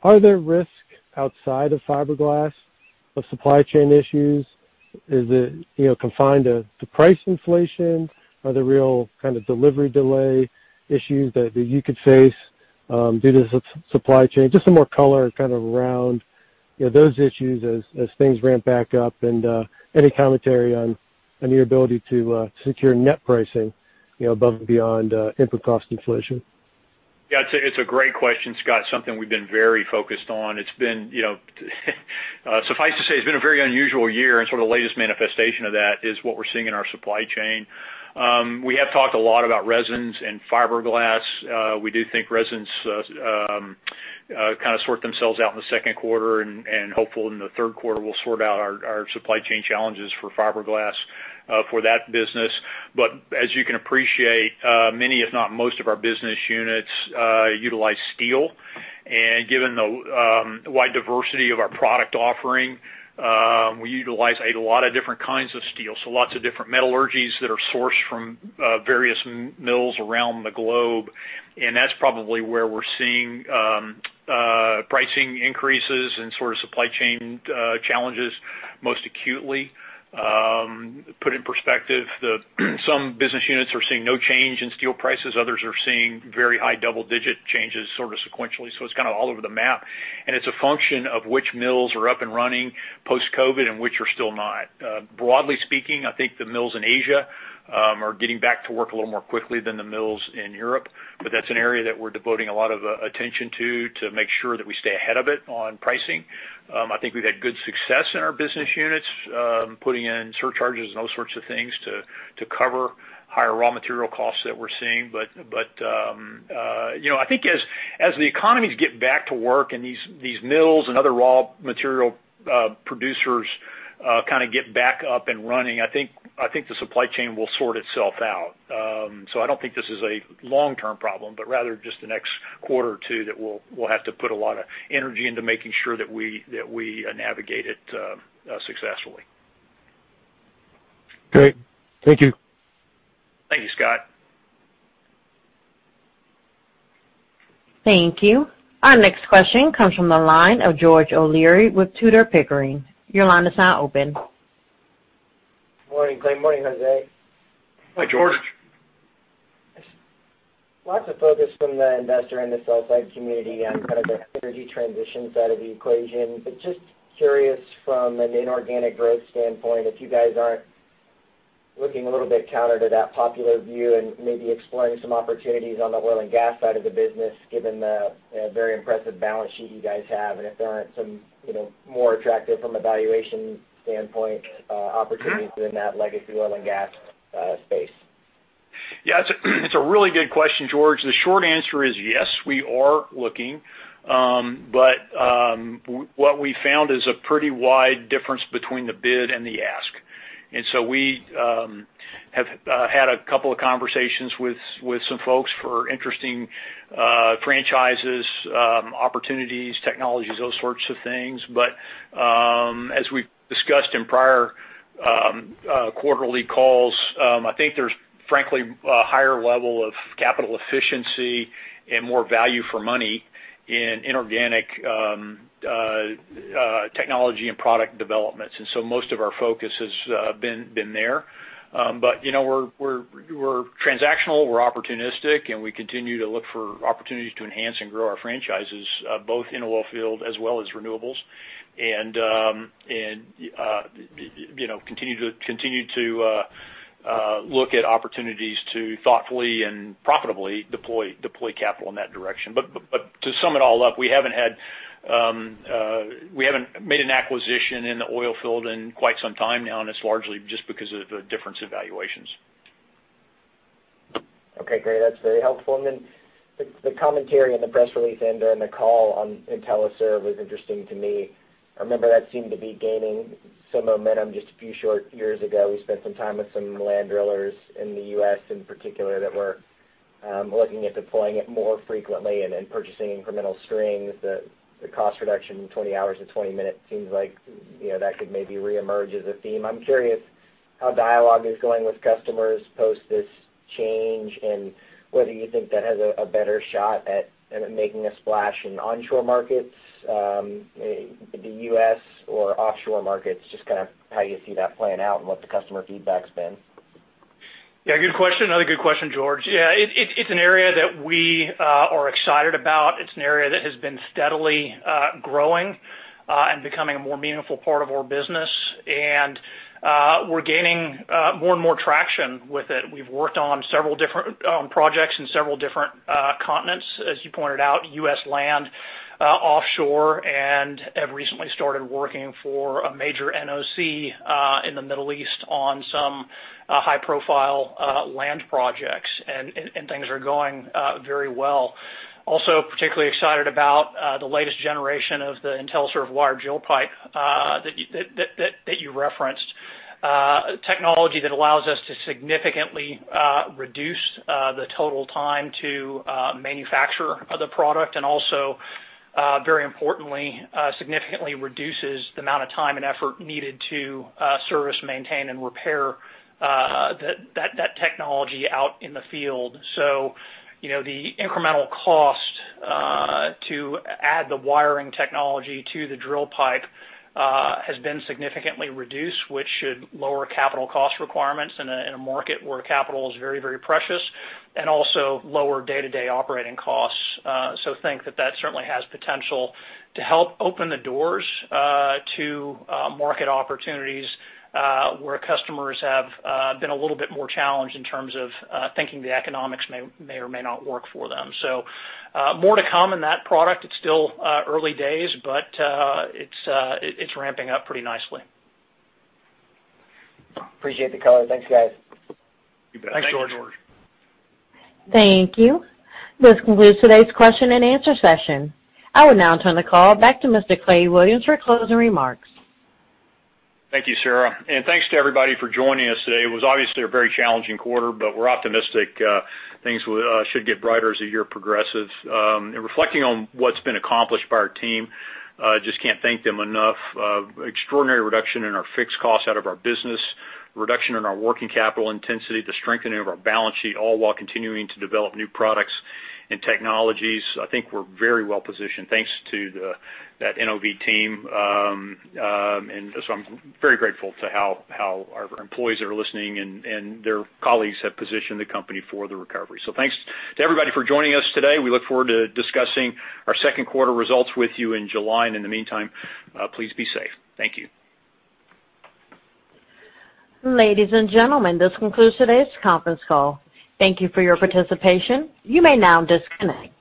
are there risks outside of Fiberglass of supply chain issues? Is it confined to price inflation? Are there real kind of delivery delay issues that you could face due to supply chain? Just some more color kind of around those issues as things ramp back up and any commentary on your ability to secure net pricing above and beyond input cost inflation. Yeah, it's a great question, Scott. Something we've been very focused on. Suffice to say, it's been a very unusual year and sort of the latest manifestation of that is what we're seeing in our supply chain. We have talked a lot about resins and fiberglass. We do think resins kind of sort themselves out in the second quarter and hopeful in the third quarter we'll sort out our supply chain challenges for fiberglass for that business. As you can appreciate, many if not most of our business units utilize steel and given the wide diversity of our product offering, we utilize a lot of different kinds of steel, so lots of different metallurgies that are sourced from various mills around the globe, and that's probably where we're seeing pricing increases and sort of supply chain challenges most acutely. Put in perspective, some business units are seeing no change in steel prices. Others are seeing very high double-digit changes sort of sequentially. It's kind of all over the map, and it's a function of which mills are up and running post-COVID and which are still not. Broadly speaking, I think the mills in Asia are getting back to work a little more quickly than the mills in Europe, but that's an area that we're devoting a lot of attention to to make sure that we stay ahead of it on pricing. I think we've had good success in our business units, putting in surcharges and those sorts of things to cover higher raw material costs that we're seeing. I think as the economies get back to work and these mills and other raw material producers kind of get back up and running, I think the supply chain will sort itself out. I don't think this is a long-term problem, but rather just the next quarter or two that we'll have to put a lot of energy into making sure that we navigate it successfully. Great. Thank you. Thank you, Scott. Thank you. Our next question comes from the line of George O'Leary with Tudor, Pickering. Your line is now open. Morning, Clay. Morning, Jose. Hi, George. Lots of focus from the investor in the sell-side community on kind of the energy transition side of the equation, but just curious from an inorganic growth standpoint, if you guys aren't looking a little bit counter to that popular view and maybe exploring some opportunities on the oil and gas side of the business, given the very impressive balance sheet you guys have, and if there aren't some more attractive from a valuation standpoint opportunities within that legacy oil and gas space. Yeah. It's a really good question, George. The short answer is yes, we are looking. What we found is a pretty wide difference between the bid and the ask. We have had a couple of conversations with some folks for interesting franchises, opportunities, technologies, those sorts of things. As we discussed in prior quarterly calls, I think there's frankly a higher level of capital efficiency and more value for money in inorganic technology and product developments. Most of our focus has been there. We're transactional, we're opportunistic, and we continue to look for opportunities to enhance and grow our franchises, both in oilfield as well as renewables. Continue to look at opportunities to thoughtfully and profitably deploy capital in that direction. To sum it all up, we haven't made an acquisition in the oilfield in quite some time now, and it's largely just because of the difference in valuations. Okay, great. That's very helpful. The commentary in the press release and during the call on IntelliServ was interesting to me. I remember that seemed to be gaining some momentum just a few short years ago. We spent some time with some land drillers in the U.S. in particular, that were looking at deploying it more frequently and purchasing incremental strings. The cost reduction, 20 hours and 20 minutes seems like that could maybe reemerge as a theme. I'm curious how dialogue is going with customers post this change, and whether you think that has a better shot at making a splash in onshore markets, the U.S. or offshore markets, just how you see that playing out and what the customer feedback's been. Good question. Another good question, George. It's an area that we are excited about. It's an area that has been steadily growing, and becoming a more meaningful part of our business. We're gaining more and more traction with it. We've worked on several different projects in several different continents, as you pointed out, U.S. land, offshore, and have recently started working for a major NOC in the Middle East on some high-profile land projects. Things are going very well. Also particularly excited about the latest generation of the IntelliServ wired drill pipe that you referenced. Technology that allows us to significantly reduce the total time to manufacture the product and also, very importantly, significantly reduces the amount of time and effort needed to service, maintain, and repair that technology out in the field. The incremental cost to add the wiring technology to the drill pipe has been significantly reduced, which should lower capital cost requirements in a market where capital is very, very precious and also lower day-to-day operating costs. Think that that certainly has potential to help open the doors to market opportunities, where customers have been a little bit more challenged in terms of thinking the economics may or may not work for them. More to come on that product. It's still early days, but it's ramping up pretty nicely. Appreciate the color. Thanks, guys. You bet. Thanks, George. Thank you. This concludes today's question-and answer-session. I would now turn the call back to Mr. Clay Williams for closing remarks. Thank you, Sarah, and thanks to everybody for joining us today. It was obviously a very challenging quarter. We're optimistic things should get brighter as the year progresses. In reflecting on what's been accomplished by our team, just can't thank them enough, extraordinary reduction in our fixed costs out of our business, reduction in our working capital intensity, the strengthening of our balance sheet, all while continuing to develop new products and technologies. I think we're very well positioned thanks to that NOV team. I'm very grateful to how our employees that are listening and their colleagues have positioned the company for the recovery. Thanks to everybody for joining us today. We look forward to discussing our second quarter results with you in July. In the meantime, please be safe. Thank you. Ladies and gentlemen, this concludes today's conference call. Thank you for your participation. You may now disconnect.